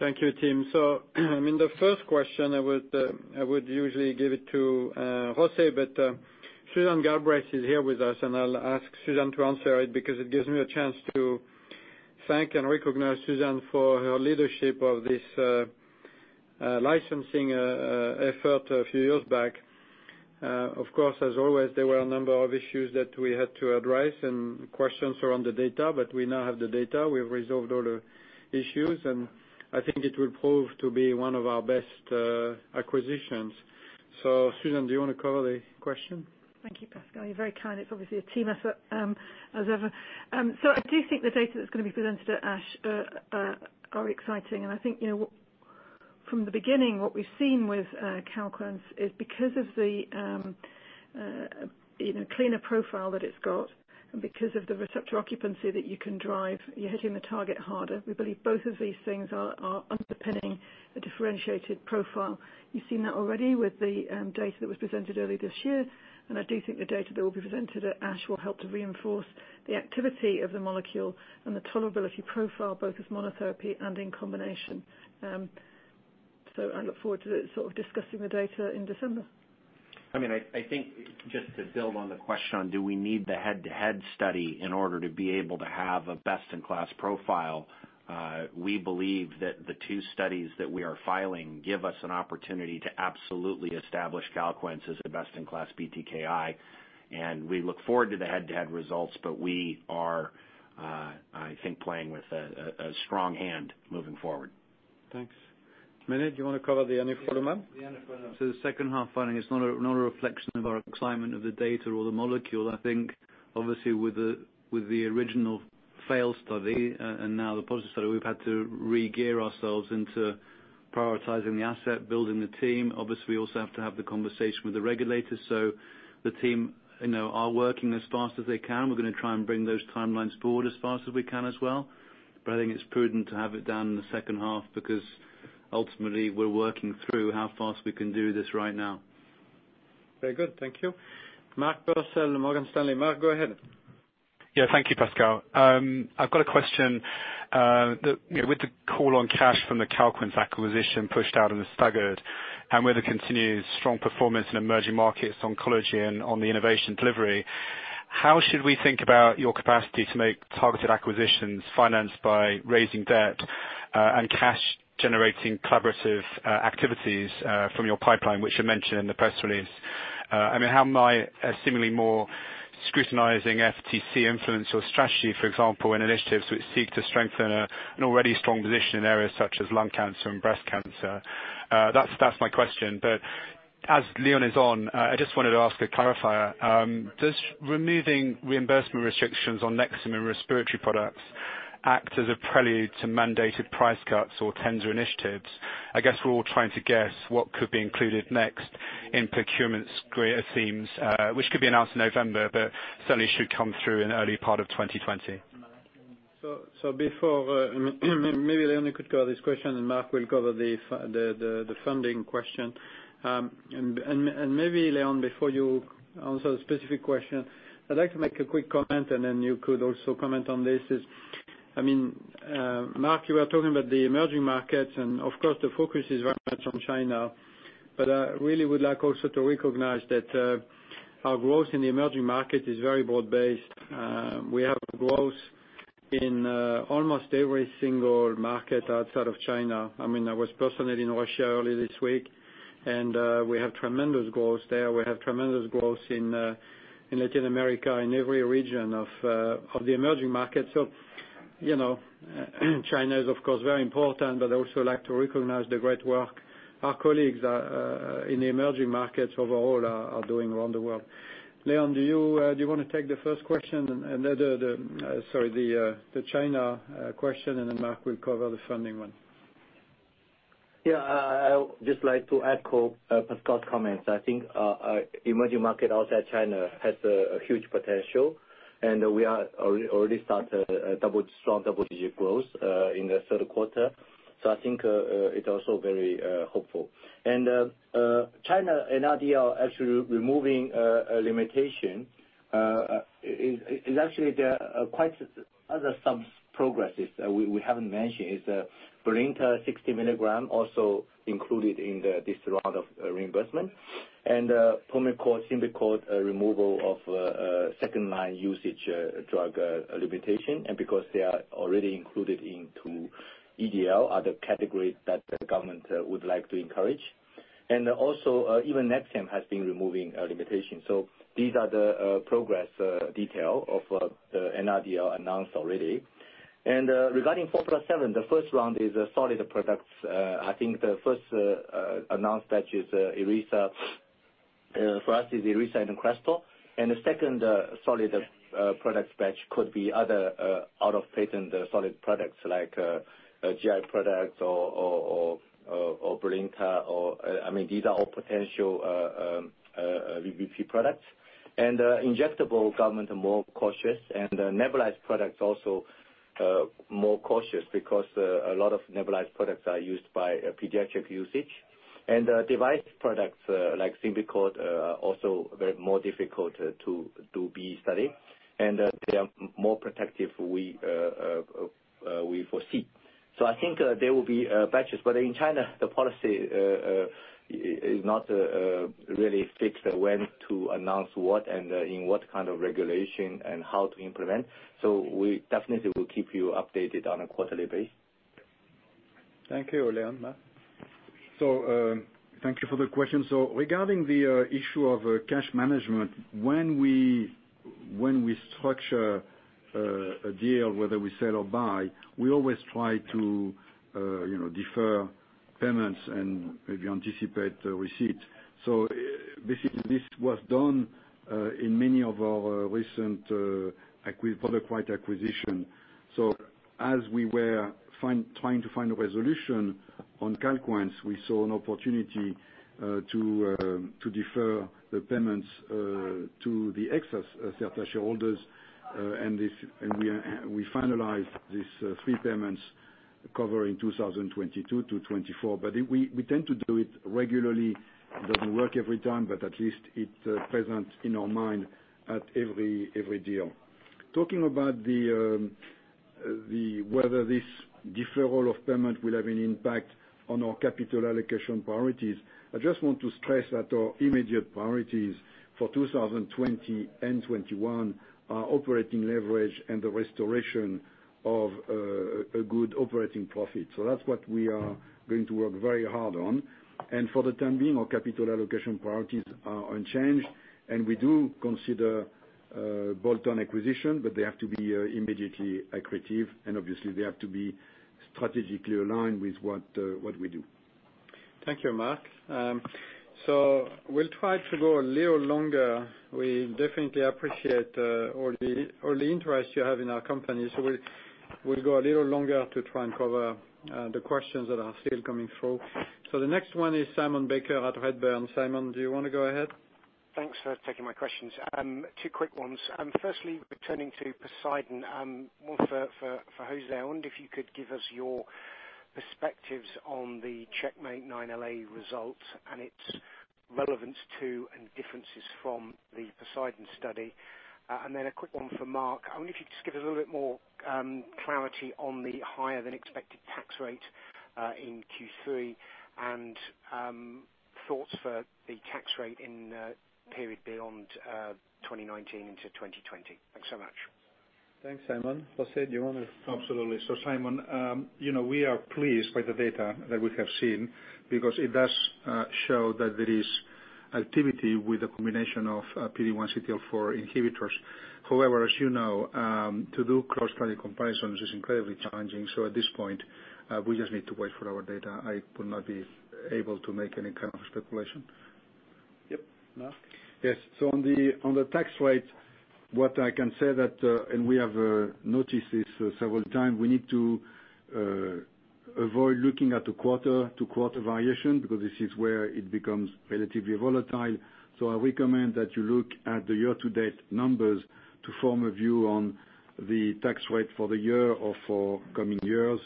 Thank you, Tim. In the first question, I would usually give it to José, but Susan Galbraith is here with us, and I'll ask Suzanne to answer it because it gives me a chance to thank and recognize Suzanne for her leadership of this licensing effort a few years back. As always, there were a number of issues that we had to address and questions around the data. We now have the data. We've resolved all the issues. I think it will prove to be one of our best acquisitions. Susan, do you want to cover the question? Thank you, Pascal. You're very kind. It's obviously a team effort as ever. I do think the data that's going to be presented at ASH are exciting. I think from the beginning, what we've seen with CALQUENCE is because of the cleaner profile that it's got and because of the receptor occupancy that you can drive, you're hitting the target harder. We believe both of these things are underpinning a differentiated profile. You've seen that already with the data that was presented earlier this year. I do think the data that will be presented at ASH will help to reinforce the activity of the molecule and the tolerability profile, both as monotherapy and in combination. I look forward to discussing the data in December. I think just to build on the question on do we need the head-to-head study in order to be able to have a best-in-class profile. We believe that the two studies that we are filing give us an opportunity to absolutely establish CALQUENCE as a best-in-class BTKI. We look forward to the head-to-head results, but we are, I think, playing with a strong hand moving forward. Thanks. Mene, do you want to cover the anifrolumab? Yeah, the anifrolumab. The second half finding is not a reflection of our excitement of the data or the molecule. I think obviously with the original failed study and now the positive study, we've had to regear ourselves into prioritizing the asset, building the team. Obviously, we also have to have the conversation with the regulators. The team are working as fast as they can. We're going to try and bring those timelines forward as fast as we can as well. I think it's prudent to have it done in the second half because ultimately we're working through how fast we can do this right now. Very good. Thank you. Mark Purcell from Morgan Stanley. Mark, go ahead. Thank you, Pascal. I've got a question. With the call on cash from the CALQUENCE acquisition pushed out and staggered and with the continued strong performance in emerging markets, oncology, and on the innovation delivery, how should we think about your capacity to make targeted acquisitions financed by raising debt and cash-generating collaborative activities from your pipeline, which you mentioned in the press release? How am I seemingly more scrutinizing FTC influence or strategy, for example, in initiatives which seek to strengthen an already strong position in areas such as lung cancer and breast cancer? That's my question. As Leon is on, I just wanted to ask a clarifier. Does removing reimbursement restrictions on NEXIUM and respiratory products act as a prelude to mandated price cuts or tender initiatives? I guess we're all trying to guess what could be included next in procurement's greater themes, which could be announced in November, but certainly should come through in early part of 2020. Before, maybe Leon could cover this question, and Marc will cover the funding question. Maybe Leon, before you answer the specific question, I'd like to make a quick comment, and then you could also comment on this is, Marc, you were talking about the emerging markets, and of course, the focus is very much on China. I really would like also to recognize that our growth in the emerging market is very broad-based. We have growth in almost every single market outside of China. I was personally in Russia earlier this week, and we have tremendous growth there. We have tremendous growth in Latin America, in every region of the emerging market. China is, of course, very important, but I also like to recognize the great work our colleagues in the emerging markets overall are doing around the world. Leon, do you want to take the first question, sorry, the China question, and then Mark will cover the funding one. Yeah, I would just like to echo Pascal's comments. I think emerging market outside China has a huge potential. We are already started a strong double-digit growth in the third quarter. I think it's also very hopeful. China NRDL actually removing a limitation is actually there are quite other sub-progresses we haven't mentioned is Brilinta 60 milligram also included in this round of reimbursement. Pulmicort, Symbicort removal of second-line usage drug limitation because they are already included into EDL, other categories that the government would like to encourage. Also even NEXIUM has been removing a limitation. These are the progress detail of the NRDL announced already. Regarding 4+7, the first round is solid products. I think the first announced batch for us is Iressa and CRESTOR. The second solid product batch could be other out-of-patent solid products like GI products or Brilinta. These are all potential VBP products. Injectable, government are more cautious, and nebulized products also more cautious because a lot of nebulized products are used by pediatric usage. Device products like SYMBICORT are also very more difficult to do BE study, and they are more protective, we foresee. I think there will be batches, but in China, the policy is not really fixed when to announce what and in what kind of regulation and how to implement. We definitely will keep you updated on a quarterly basis. Thank you, Leon. Marc? Thank you for the question. Regarding the issue of cash management, when we structure a deal, whether we sell or buy, we always try to defer payments and maybe anticipate receipt. This was done in many of our recent public acquired acquisition. As we were trying to find a resolution on CALQUENCE, we saw an opportunity to defer the payments to the Acerta shareholders, and we finalized these three payments covering 2022-2024. We tend to do it regularly. It doesn't work every time, but at least it's present in our mind at every deal. Talking about whether this deferral of payment will have an impact on our capital allocation priorities, I just want to stress that our immediate priorities for 2020 and 2021 are operating leverage and the restoration of a good operating profit. That's what we are going to work very hard on. For the time being, our capital allocation priorities are unchanged, and we do consider bolt-on acquisition, but they have to be immediately accretive, and obviously, they have to be strategically aligned with what we do. Thank you, Marc. We'll try to go a little longer. We definitely appreciate all the interest you have in our company, so we'll go a little longer to try and cover the questions that are still coming through. The next one is Simon Baker at Redburn. Simon, do you want to go ahead? Thanks for taking my questions. Two quick ones. Firstly, returning to POSEIDON, more for José. I wonder if you could give us your perspectives on the CheckMate-9LA results and its relevance to and differences from the POSEIDON study. Then a quick one for Marc. I wonder if you could just give us a little bit more clarity on the higher than expected tax rate in Q3 and thoughts for the tax rate in the period beyond 2019 into 2020. Thanks so much. Thanks, Simon. José, do you want to? Absolutely. Simon, we are pleased by the data that we have seen because it does show that there is activity with the combination of PD-1, CTLA-4 inhibitors. However, as you know, to do cross-product comparisons is incredibly challenging. At this point, we just need to wait for our data. I would not be able to make any kind of speculation. Yep. Marc? Yes. On the tax rate, what I can say that, and we have noticed this several times, we need to avoid looking at the quarter-to-quarter variation, because this is where it becomes relatively volatile. I recommend that you look at the year-to-date numbers to form a view on the tax rate for the year or for coming years.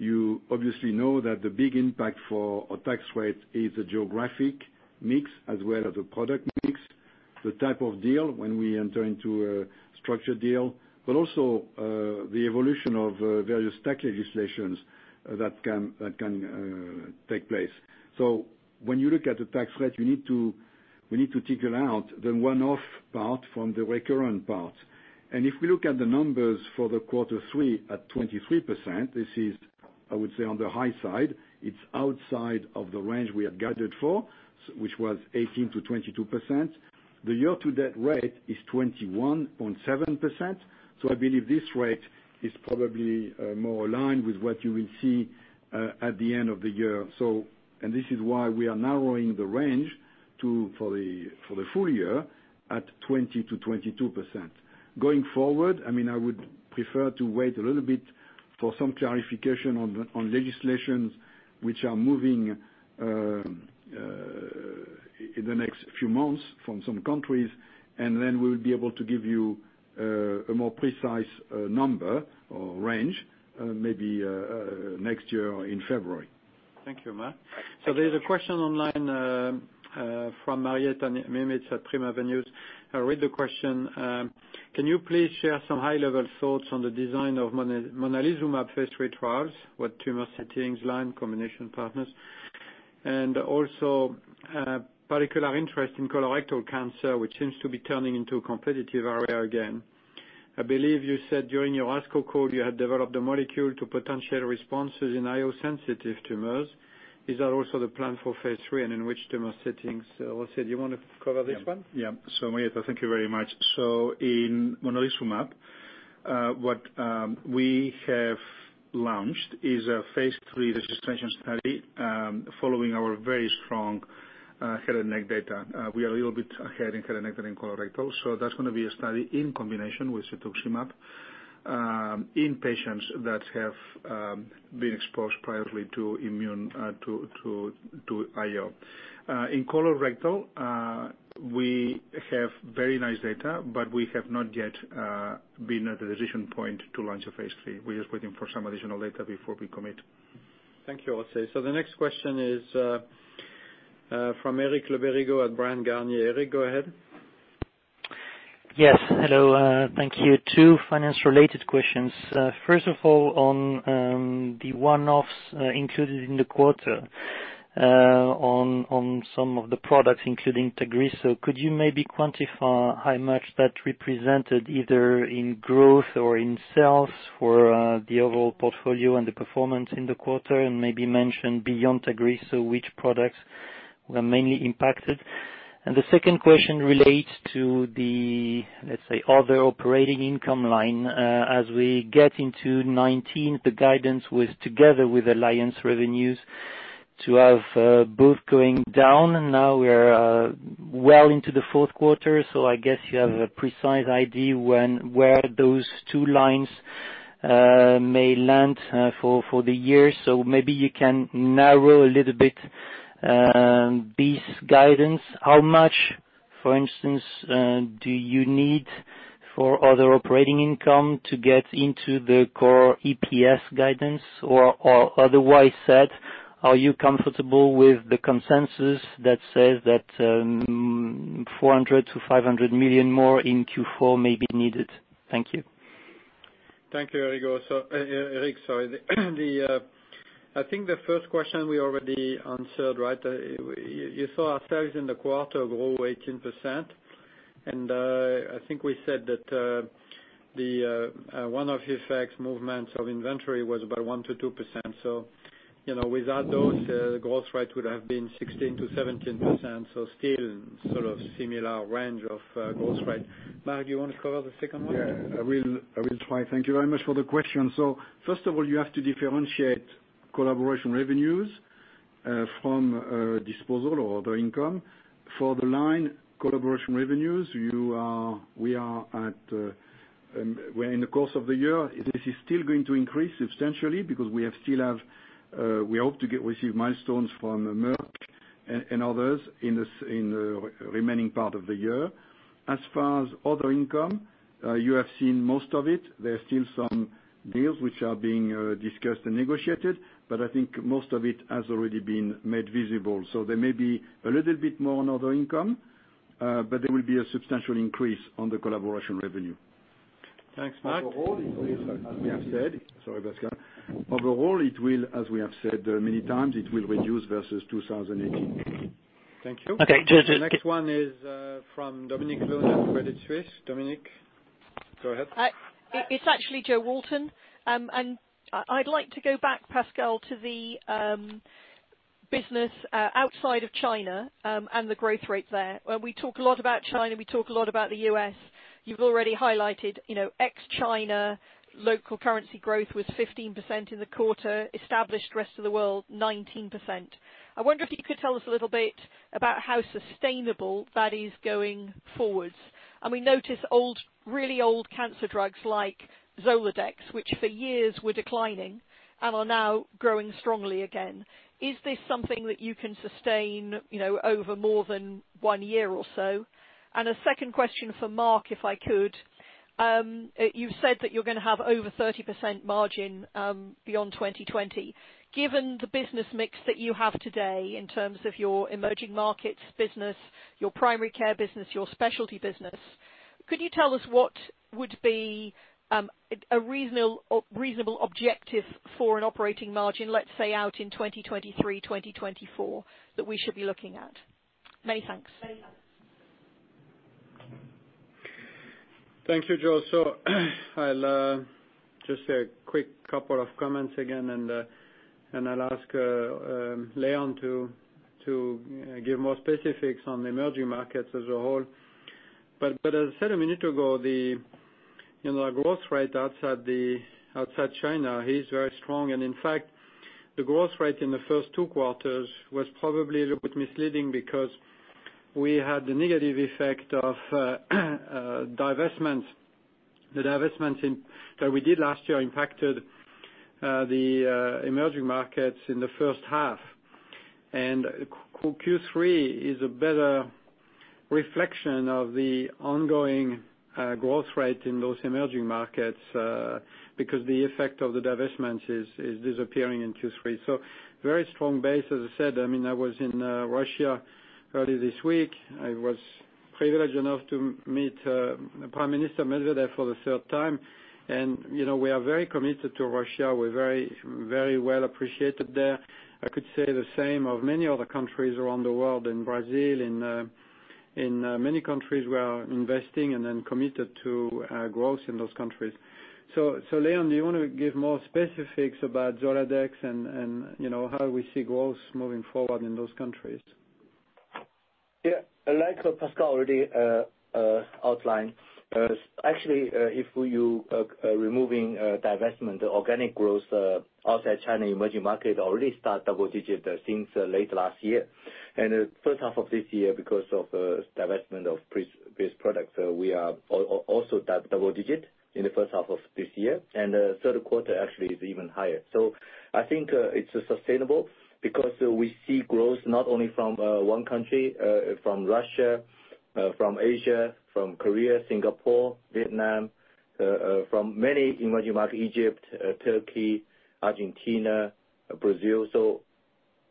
You obviously know that the big impact for a tax rate is the geographic mix as well as the product mix, the type of deal when we enter into a structured deal, but also the evolution of various tax legislations that can take place. When you look at the tax rate, we need to tease out the one-off part from the recurrent part. If we look at the numbers for the quarter 3 at 23%, this is, I would say, on the high side. It's outside of the range we had guided for, which was 18%-22%. The year-to-date rate is 21.7%. I believe this rate is probably more aligned with what you will see at the end of the year. This is why we are narrowing the range for the full year at 20%-22%. Going forward, I would prefer to wait a little bit for some clarification on legislations which are moving in the next few months from some countries, then we'll be able to give you a more precise number or range, maybe next year or in February. Thank you, Marc. There's a question online from Marietta Miemietz at Primavenue. I read the question. Can you please share some high-level thoughts on the design of monalizumab phase III trials with tumor settings, line, combination partners, and also particular interest in colorectal cancer, which seems to be turning into a competitive area again. I believe you said during your ASCO call you had developed a molecule to potential responses in IO sensitive tumors. Is that also the plan for phase III and in which tumor settings? José, do you want to cover this one? Yeah. Mariette, thank you very much. In monalizumab, what we have launched is a phase III registration study following our very strong head and neck data. We are a little bit ahead in head and neck than in colorectal, that's going to be a study in combination with cetuximab in patients that have been exposed privately to IO. In colorectal, we have very nice data, we have not yet been at a decision point to launch a phase III. We're just waiting for some additional data before we commit. Thank you, José. The next question is from Eric Le Berrigaud at Bryan, Garnier. Eric, go ahead. Yes. Hello, thank you. Two finance-related questions. First of all, on the one-offs included in the quarter on some of the products, including TAGRISSO. Could you maybe quantify how much that represented either in growth or in sales for the overall portfolio and the performance in the quarter? Maybe mention beyond TAGRISSO, which products were mainly impacted? The second question relates to the, let's say, other operating income line. As we get into 2019, the guidance was together with Alliance revenues to have both going down, and now we are well into the fourth quarter. I guess you have a precise idea where those two lines may land for the year. Maybe you can narrow a little bit this guidance. How much, for instance, do you need for other operating income to get into the core EPS guidance? Otherwise said, are you comfortable with the consensus that says that $400 million-$500 million more in Q4 may be needed? Thank you. Thank you, Eric. I think the first question we already answered. You saw our sales in the quarter grow 18%, and I think we said that the one-off effect movements of inventory was about 1%-2%. Without those, the growth rate would have been 16%-17%. Still sort of similar range of growth rate. Marc, do you want to cover the second one? Yeah, I will try. Thank you very much for the question. First of all, you have to differentiate collaboration revenues from disposal or other income. For the line collaboration revenues, in the course of the year, this is still going to increase substantially because we hope to receive milestones from Merck and others in the remaining part of the year. As far as other income, you have seen most of it. There are still some deals which are being discussed and negotiated, but I think most of it has already been made visible. There may be a little bit more on other income, but there will be a substantial increase on the collaboration revenue. Thanks, Marc. Overall, it will, as we have said many times, it will reduce versus 2018. Thank you. Okay. The next one is from Dominic Loh from Credit Suisse. Dominic, go ahead. It is actually Jo Walton. I would like to go back, Pascal, to the business outside of China and the growth rate there. We talk a lot about China, we talk a lot about the U.S. You have already highlighted ex-China local currency growth was 15% in the quarter, established rest of the world 19%. I wonder if you could tell us a little bit about how sustainable that is going forwards. We notice really old cancer drugs like Zoladex, which for years were declining and are now growing strongly again. Is this something that you can sustain over more than one year or so? A second question for Marc, if I could. You have said that you are going to have over 30% margin beyond 2020. Given the business mix that you have today in terms of your emerging markets business, your primary care business, your specialty business, could you tell us what would be a reasonable objective for an operating margin, let's say, out in 2023, 2024, that we should be looking at? Many thanks. Thank you, Jo. I'll just say a quick couple of comments again, and I'll ask Leon to give more specifics on the emerging markets as a whole. As I said a minute ago, the growth rate outside China is very strong. In fact, the growth rate in the first two quarters was probably a little bit misleading because we had the negative effect of divestment. The divestment that we did last year impacted the emerging markets in the first half. Q3 is a better reflection of the ongoing growth rate in those emerging markets, because the effect of the divestment is disappearing in Q3. Very strong base, as I said. I was in Russia earlier this week. I was privileged enough to meet Prime Minister Medvedev for the third time, and we are very committed to Russia. We're very well appreciated there. I could say the same of many other countries around the world, in Brazil, in many countries we are investing and then committed to growth in those countries. Leon, do you want to give more specifics about Zoladex and how we see growth moving forward in those countries? Yeah. Like Pascal already outlined, actually, if you removing divestment, the organic growth outside China, emerging market already start double digit since late last year. The first half of this year, because of divestment of base products, we are also double digit in the first half of this year. Third quarter actually is even higher. I think it's sustainable because we see growth not only from one country, from Russia, from Asia, from Korea, Singapore, Vietnam, from many emerging markets, Egypt, Turkey, Argentina, Brazil.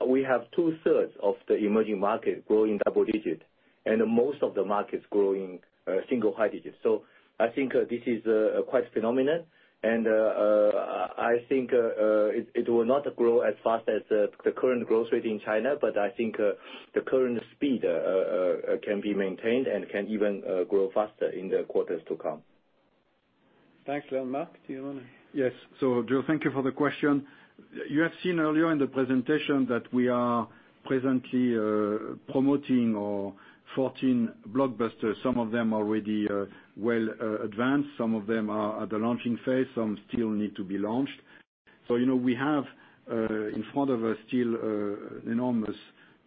We have two-thirds of the emerging market growing double digit, and most of the markets growing single high digit. I think this is quite phenomenal. I think it will not grow as fast as the current growth rate in China. I think the current speed can be maintained and can even grow faster in the quarters to come. Thanks, Leon. Marc, do you want to- Yes. Jo, thank you for the question. You have seen earlier in the presentation that we are presently promoting our 14 blockbusters. Some of them already well advanced, some of them are at the launching phase, some still need to be launched. We have, in front of us, still an enormous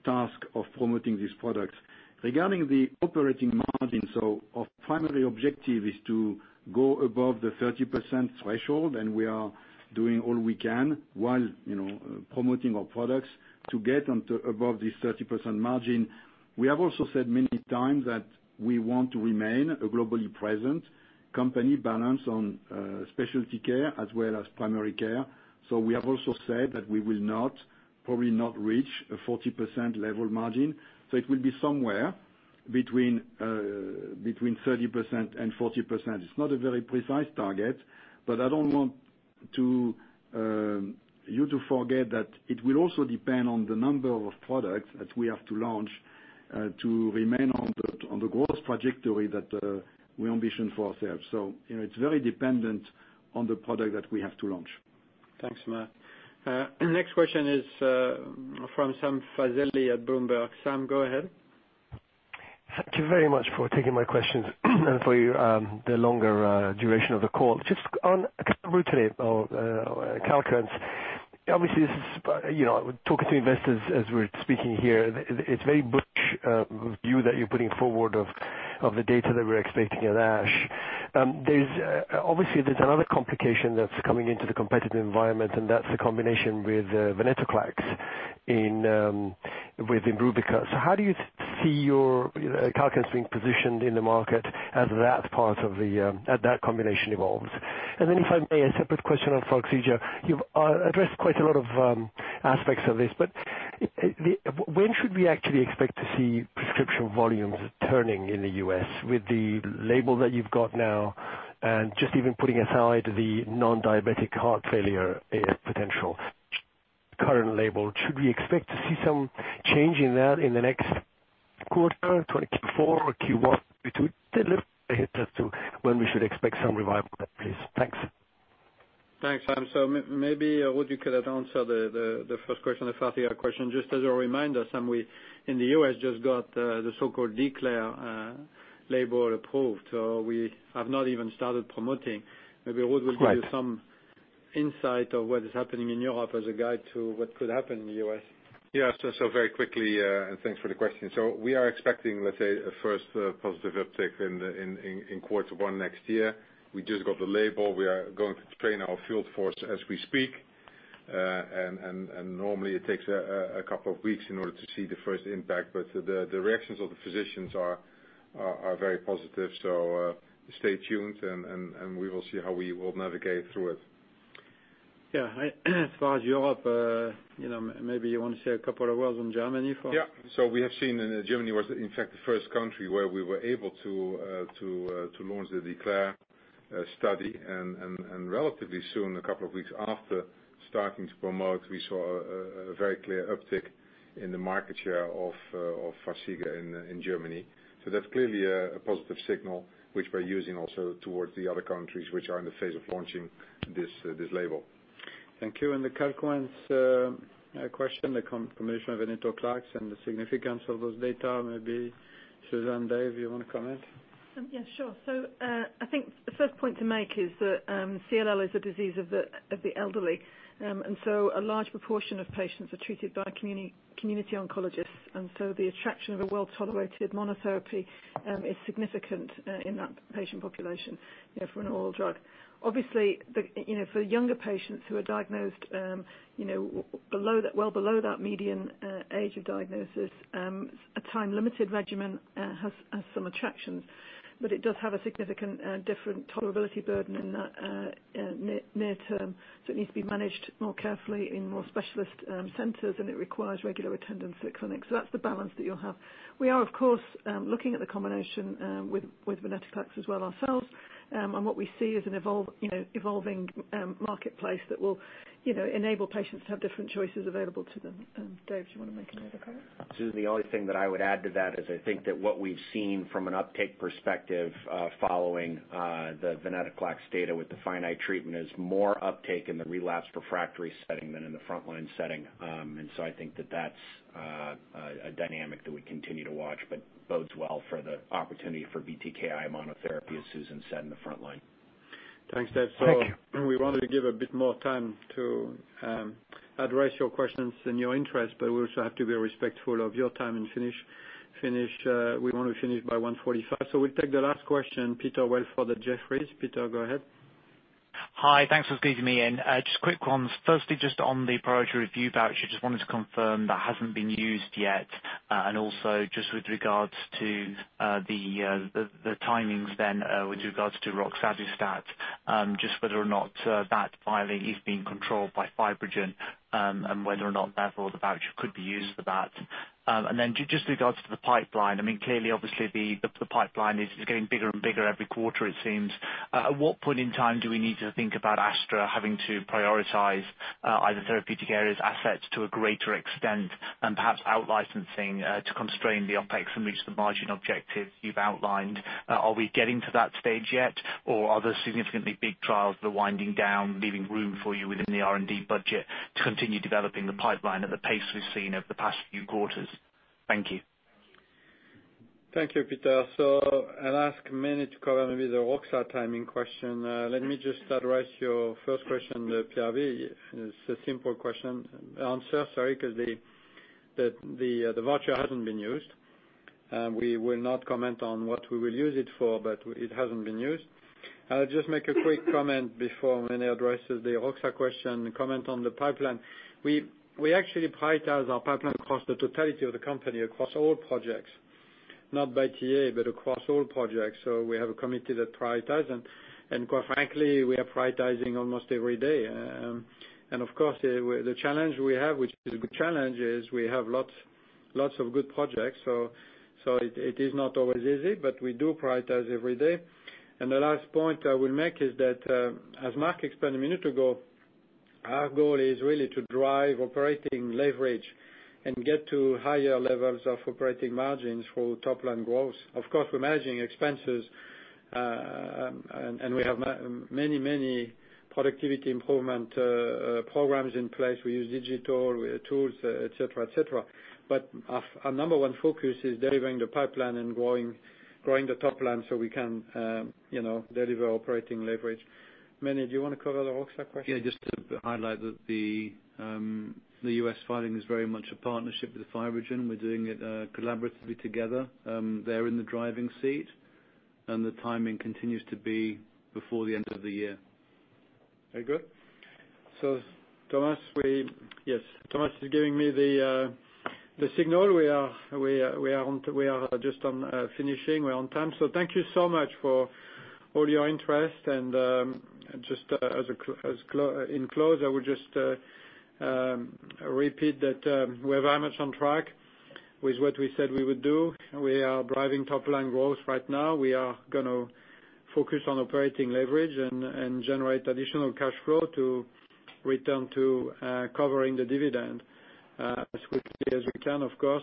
task of promoting these products. Regarding the operating margin, so our primary objective is to go above the 30% threshold, and we are doing all we can while promoting our products to get above this 30% margin. We have also said many times that we want to remain a globally present company, balanced on specialty care as well as primary care. We have also said that we will probably not reach a 40% level margin. It will be somewhere between 30% and 40%. It's not a very precise target, but I don't want you to forget that it will also depend on the number of products that we have to launch, to remain on the growth trajectory that we ambition for ourselves. It's very dependent on the product that we have to launch. Thanks, Marc. Next question is from Sam Fazeli at Bloomberg. Sam, go ahead. Thank you very much for taking my questions and for the longer duration of the call. On acalabrutinib or CALQUENCE. Obviously, talking to investors as we're speaking here, it's very bullish view that you're putting forward of the data that we're expecting at ASH. Obviously, there's another complication that's coming into the competitive environment, and that's the combination with venetoclax within ibrutinib. How do you see CALQUENCE being positioned in the market as that combination evolves? If I may, a separate question on FARXIGA. You've addressed quite a lot of aspects of this, but when should we actually expect to see prescription volumes turning in the U.S. with the label that you've got now? Just even putting aside the non-diabetic heart failure potential current label, should we expect to see some change in that in the next quarter, 2024 or Q1, between the two, when we should expect some revival there, please. Thanks. Thanks, Sam. Maybe Ruud could answer the first question, the FARXIGA question. Just as a reminder, Sam, we, in the U.S., just got the so-called DECLARE label approved. We have not even started promoting. Right some insight of what is happening in Europe as a guide to what could happen in the U.S. Yeah. Very quickly, and thanks for the question. We are expecting, let's say, a first positive uptick in quarter 1 next year. We just got the label. We are going to train our field force as we speak. Normally, it takes a couple of weeks in order to see the first impact. The reactions of the physicians are very positive, so stay tuned and we will see how we will navigate through it. Yeah. As far as Europe, maybe you want to say a couple of words on Germany for. Yeah. We have seen, and Germany was in fact the first country where we were able to launch the DECLARE study, and relatively soon, a couple of weeks after starting to promote, we saw a very clear uptick in the market share of FARXIGA in Germany. That's clearly a positive signal, which we're using also towards the other countries which are in the phase of launching this label. Thank you. The CALQUENCE question, the combination of venetoclax and the significance of those data, maybe Susan, Dave, you want to comment? Yes, sure. I think the first point to make is that CLL is a disease of the elderly. A large proportion of patients are treated by community oncologists. The attraction of a well-tolerated monotherapy is significant in that patient population for an oral drug. Obviously, for younger patients who are diagnosed well below that median age of diagnosis, a time-limited regimen has some attractions, but it does have a significant different tolerability burden in that near term. It needs to be managed more carefully in more specialist centers, and it requires regular attendance at clinics. That's the balance that you'll have. We are, of course, looking at the combination with venetoclax as well ourselves. What we see is an evolving marketplace that will enable patients to have different choices available to them. Dave, do you want to make any other comment? Susan, the only thing that I would add to that is I think that what we've seen from an uptake perspective following the venetoclax data with the finite treatment is more uptake in the relapse refractory setting than in the frontline setting. I think that that's a dynamic that we continue to watch, but bodes well for the opportunity for BTKI monotherapy, as Susan said, in the front line. Thanks, Dave. Thank you. We wanted to give a bit more time to address your questions in your interest, but we also have to be respectful of your time and we want to finish by 1:45. We'll take the last question, Peter Welford at Jefferies. Peter, go ahead. Hi, thanks for squeezing me in. Just quick ones. Firstly, just on the priority review voucher, just wanted to confirm that hasn't been used yet. Also, just with regards to the timings then, with regards to roxadustat, just whether or not that filing is being controlled by FibroGen, and whether or not therefore the voucher could be used for that. Then just regards to the pipeline. Clearly, obviously, the pipeline is getting bigger and bigger every quarter it seems. At what point in time do we need to think about Astra having to prioritize either therapeutic areas, assets to a greater extent, and perhaps out-licensing to constrain the OpEx and reach the margin objectives you've outlined? Are we getting to that stage yet, or are the significantly big trials winding down, leaving room for you within the R&D budget to continue developing the pipeline at the pace we've seen over the past few quarters? Thank you. Thank you, Peter. I'll ask Mene to cover maybe the roxadustat timing question. Let me just address your first question, the PRV. It's a simple question, answer, sorry, because the voucher hasn't been used. We will not comment on what we will use it for, but it hasn't been used. I'll just make a quick comment before Mene addresses the roxadustat question and comment on the pipeline. We actually prioritize our pipeline across the totality of the company, across all projects. Not by TA, but across all projects. We have a committee that prioritizes. Quite frankly, we are prioritizing almost every day. Of course, the challenge we have, which is a good challenge, is we have lots of good projects. It is not always easy, but we do prioritize every day. The last point I will make is that, as Marc explained a minute ago, our goal is really to drive operating leverage and get to higher levels of operating margins through top-line growth. Of course, we're managing expenses, and we have many productivity improvement programs in place. We use digital tools, et cetera. Our number one focus is delivering the pipeline and growing the top-line so we can deliver operating leverage. Mene, do you want to cover the roxa question? Yeah, just to highlight that the U.S. filing is very much a partnership with FibroGen. We're doing it collaboratively together. They're in the driving seat. The timing continues to be before the end of the year. Thomas, we Yes. Thomas is giving me the signal. We are just on finishing. We're on time. Thank you so much for all your interest. Just in close, I would just repeat that we're very much on track with what we said we would do. We are driving top-line growth right now. We are going to focus on operating leverage and generate additional cash flow to return to covering the dividend as quickly as we can, of course.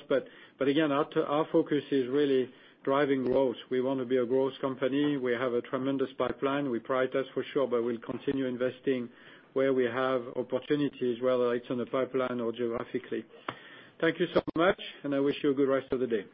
Again, our focus is really driving growth. We want to be a growth company. We have a tremendous pipeline. We prioritize for sure, but we'll continue investing where we have opportunities, whether it's in the pipeline or geographically. Thank you so much, and I wish you a good rest of the day.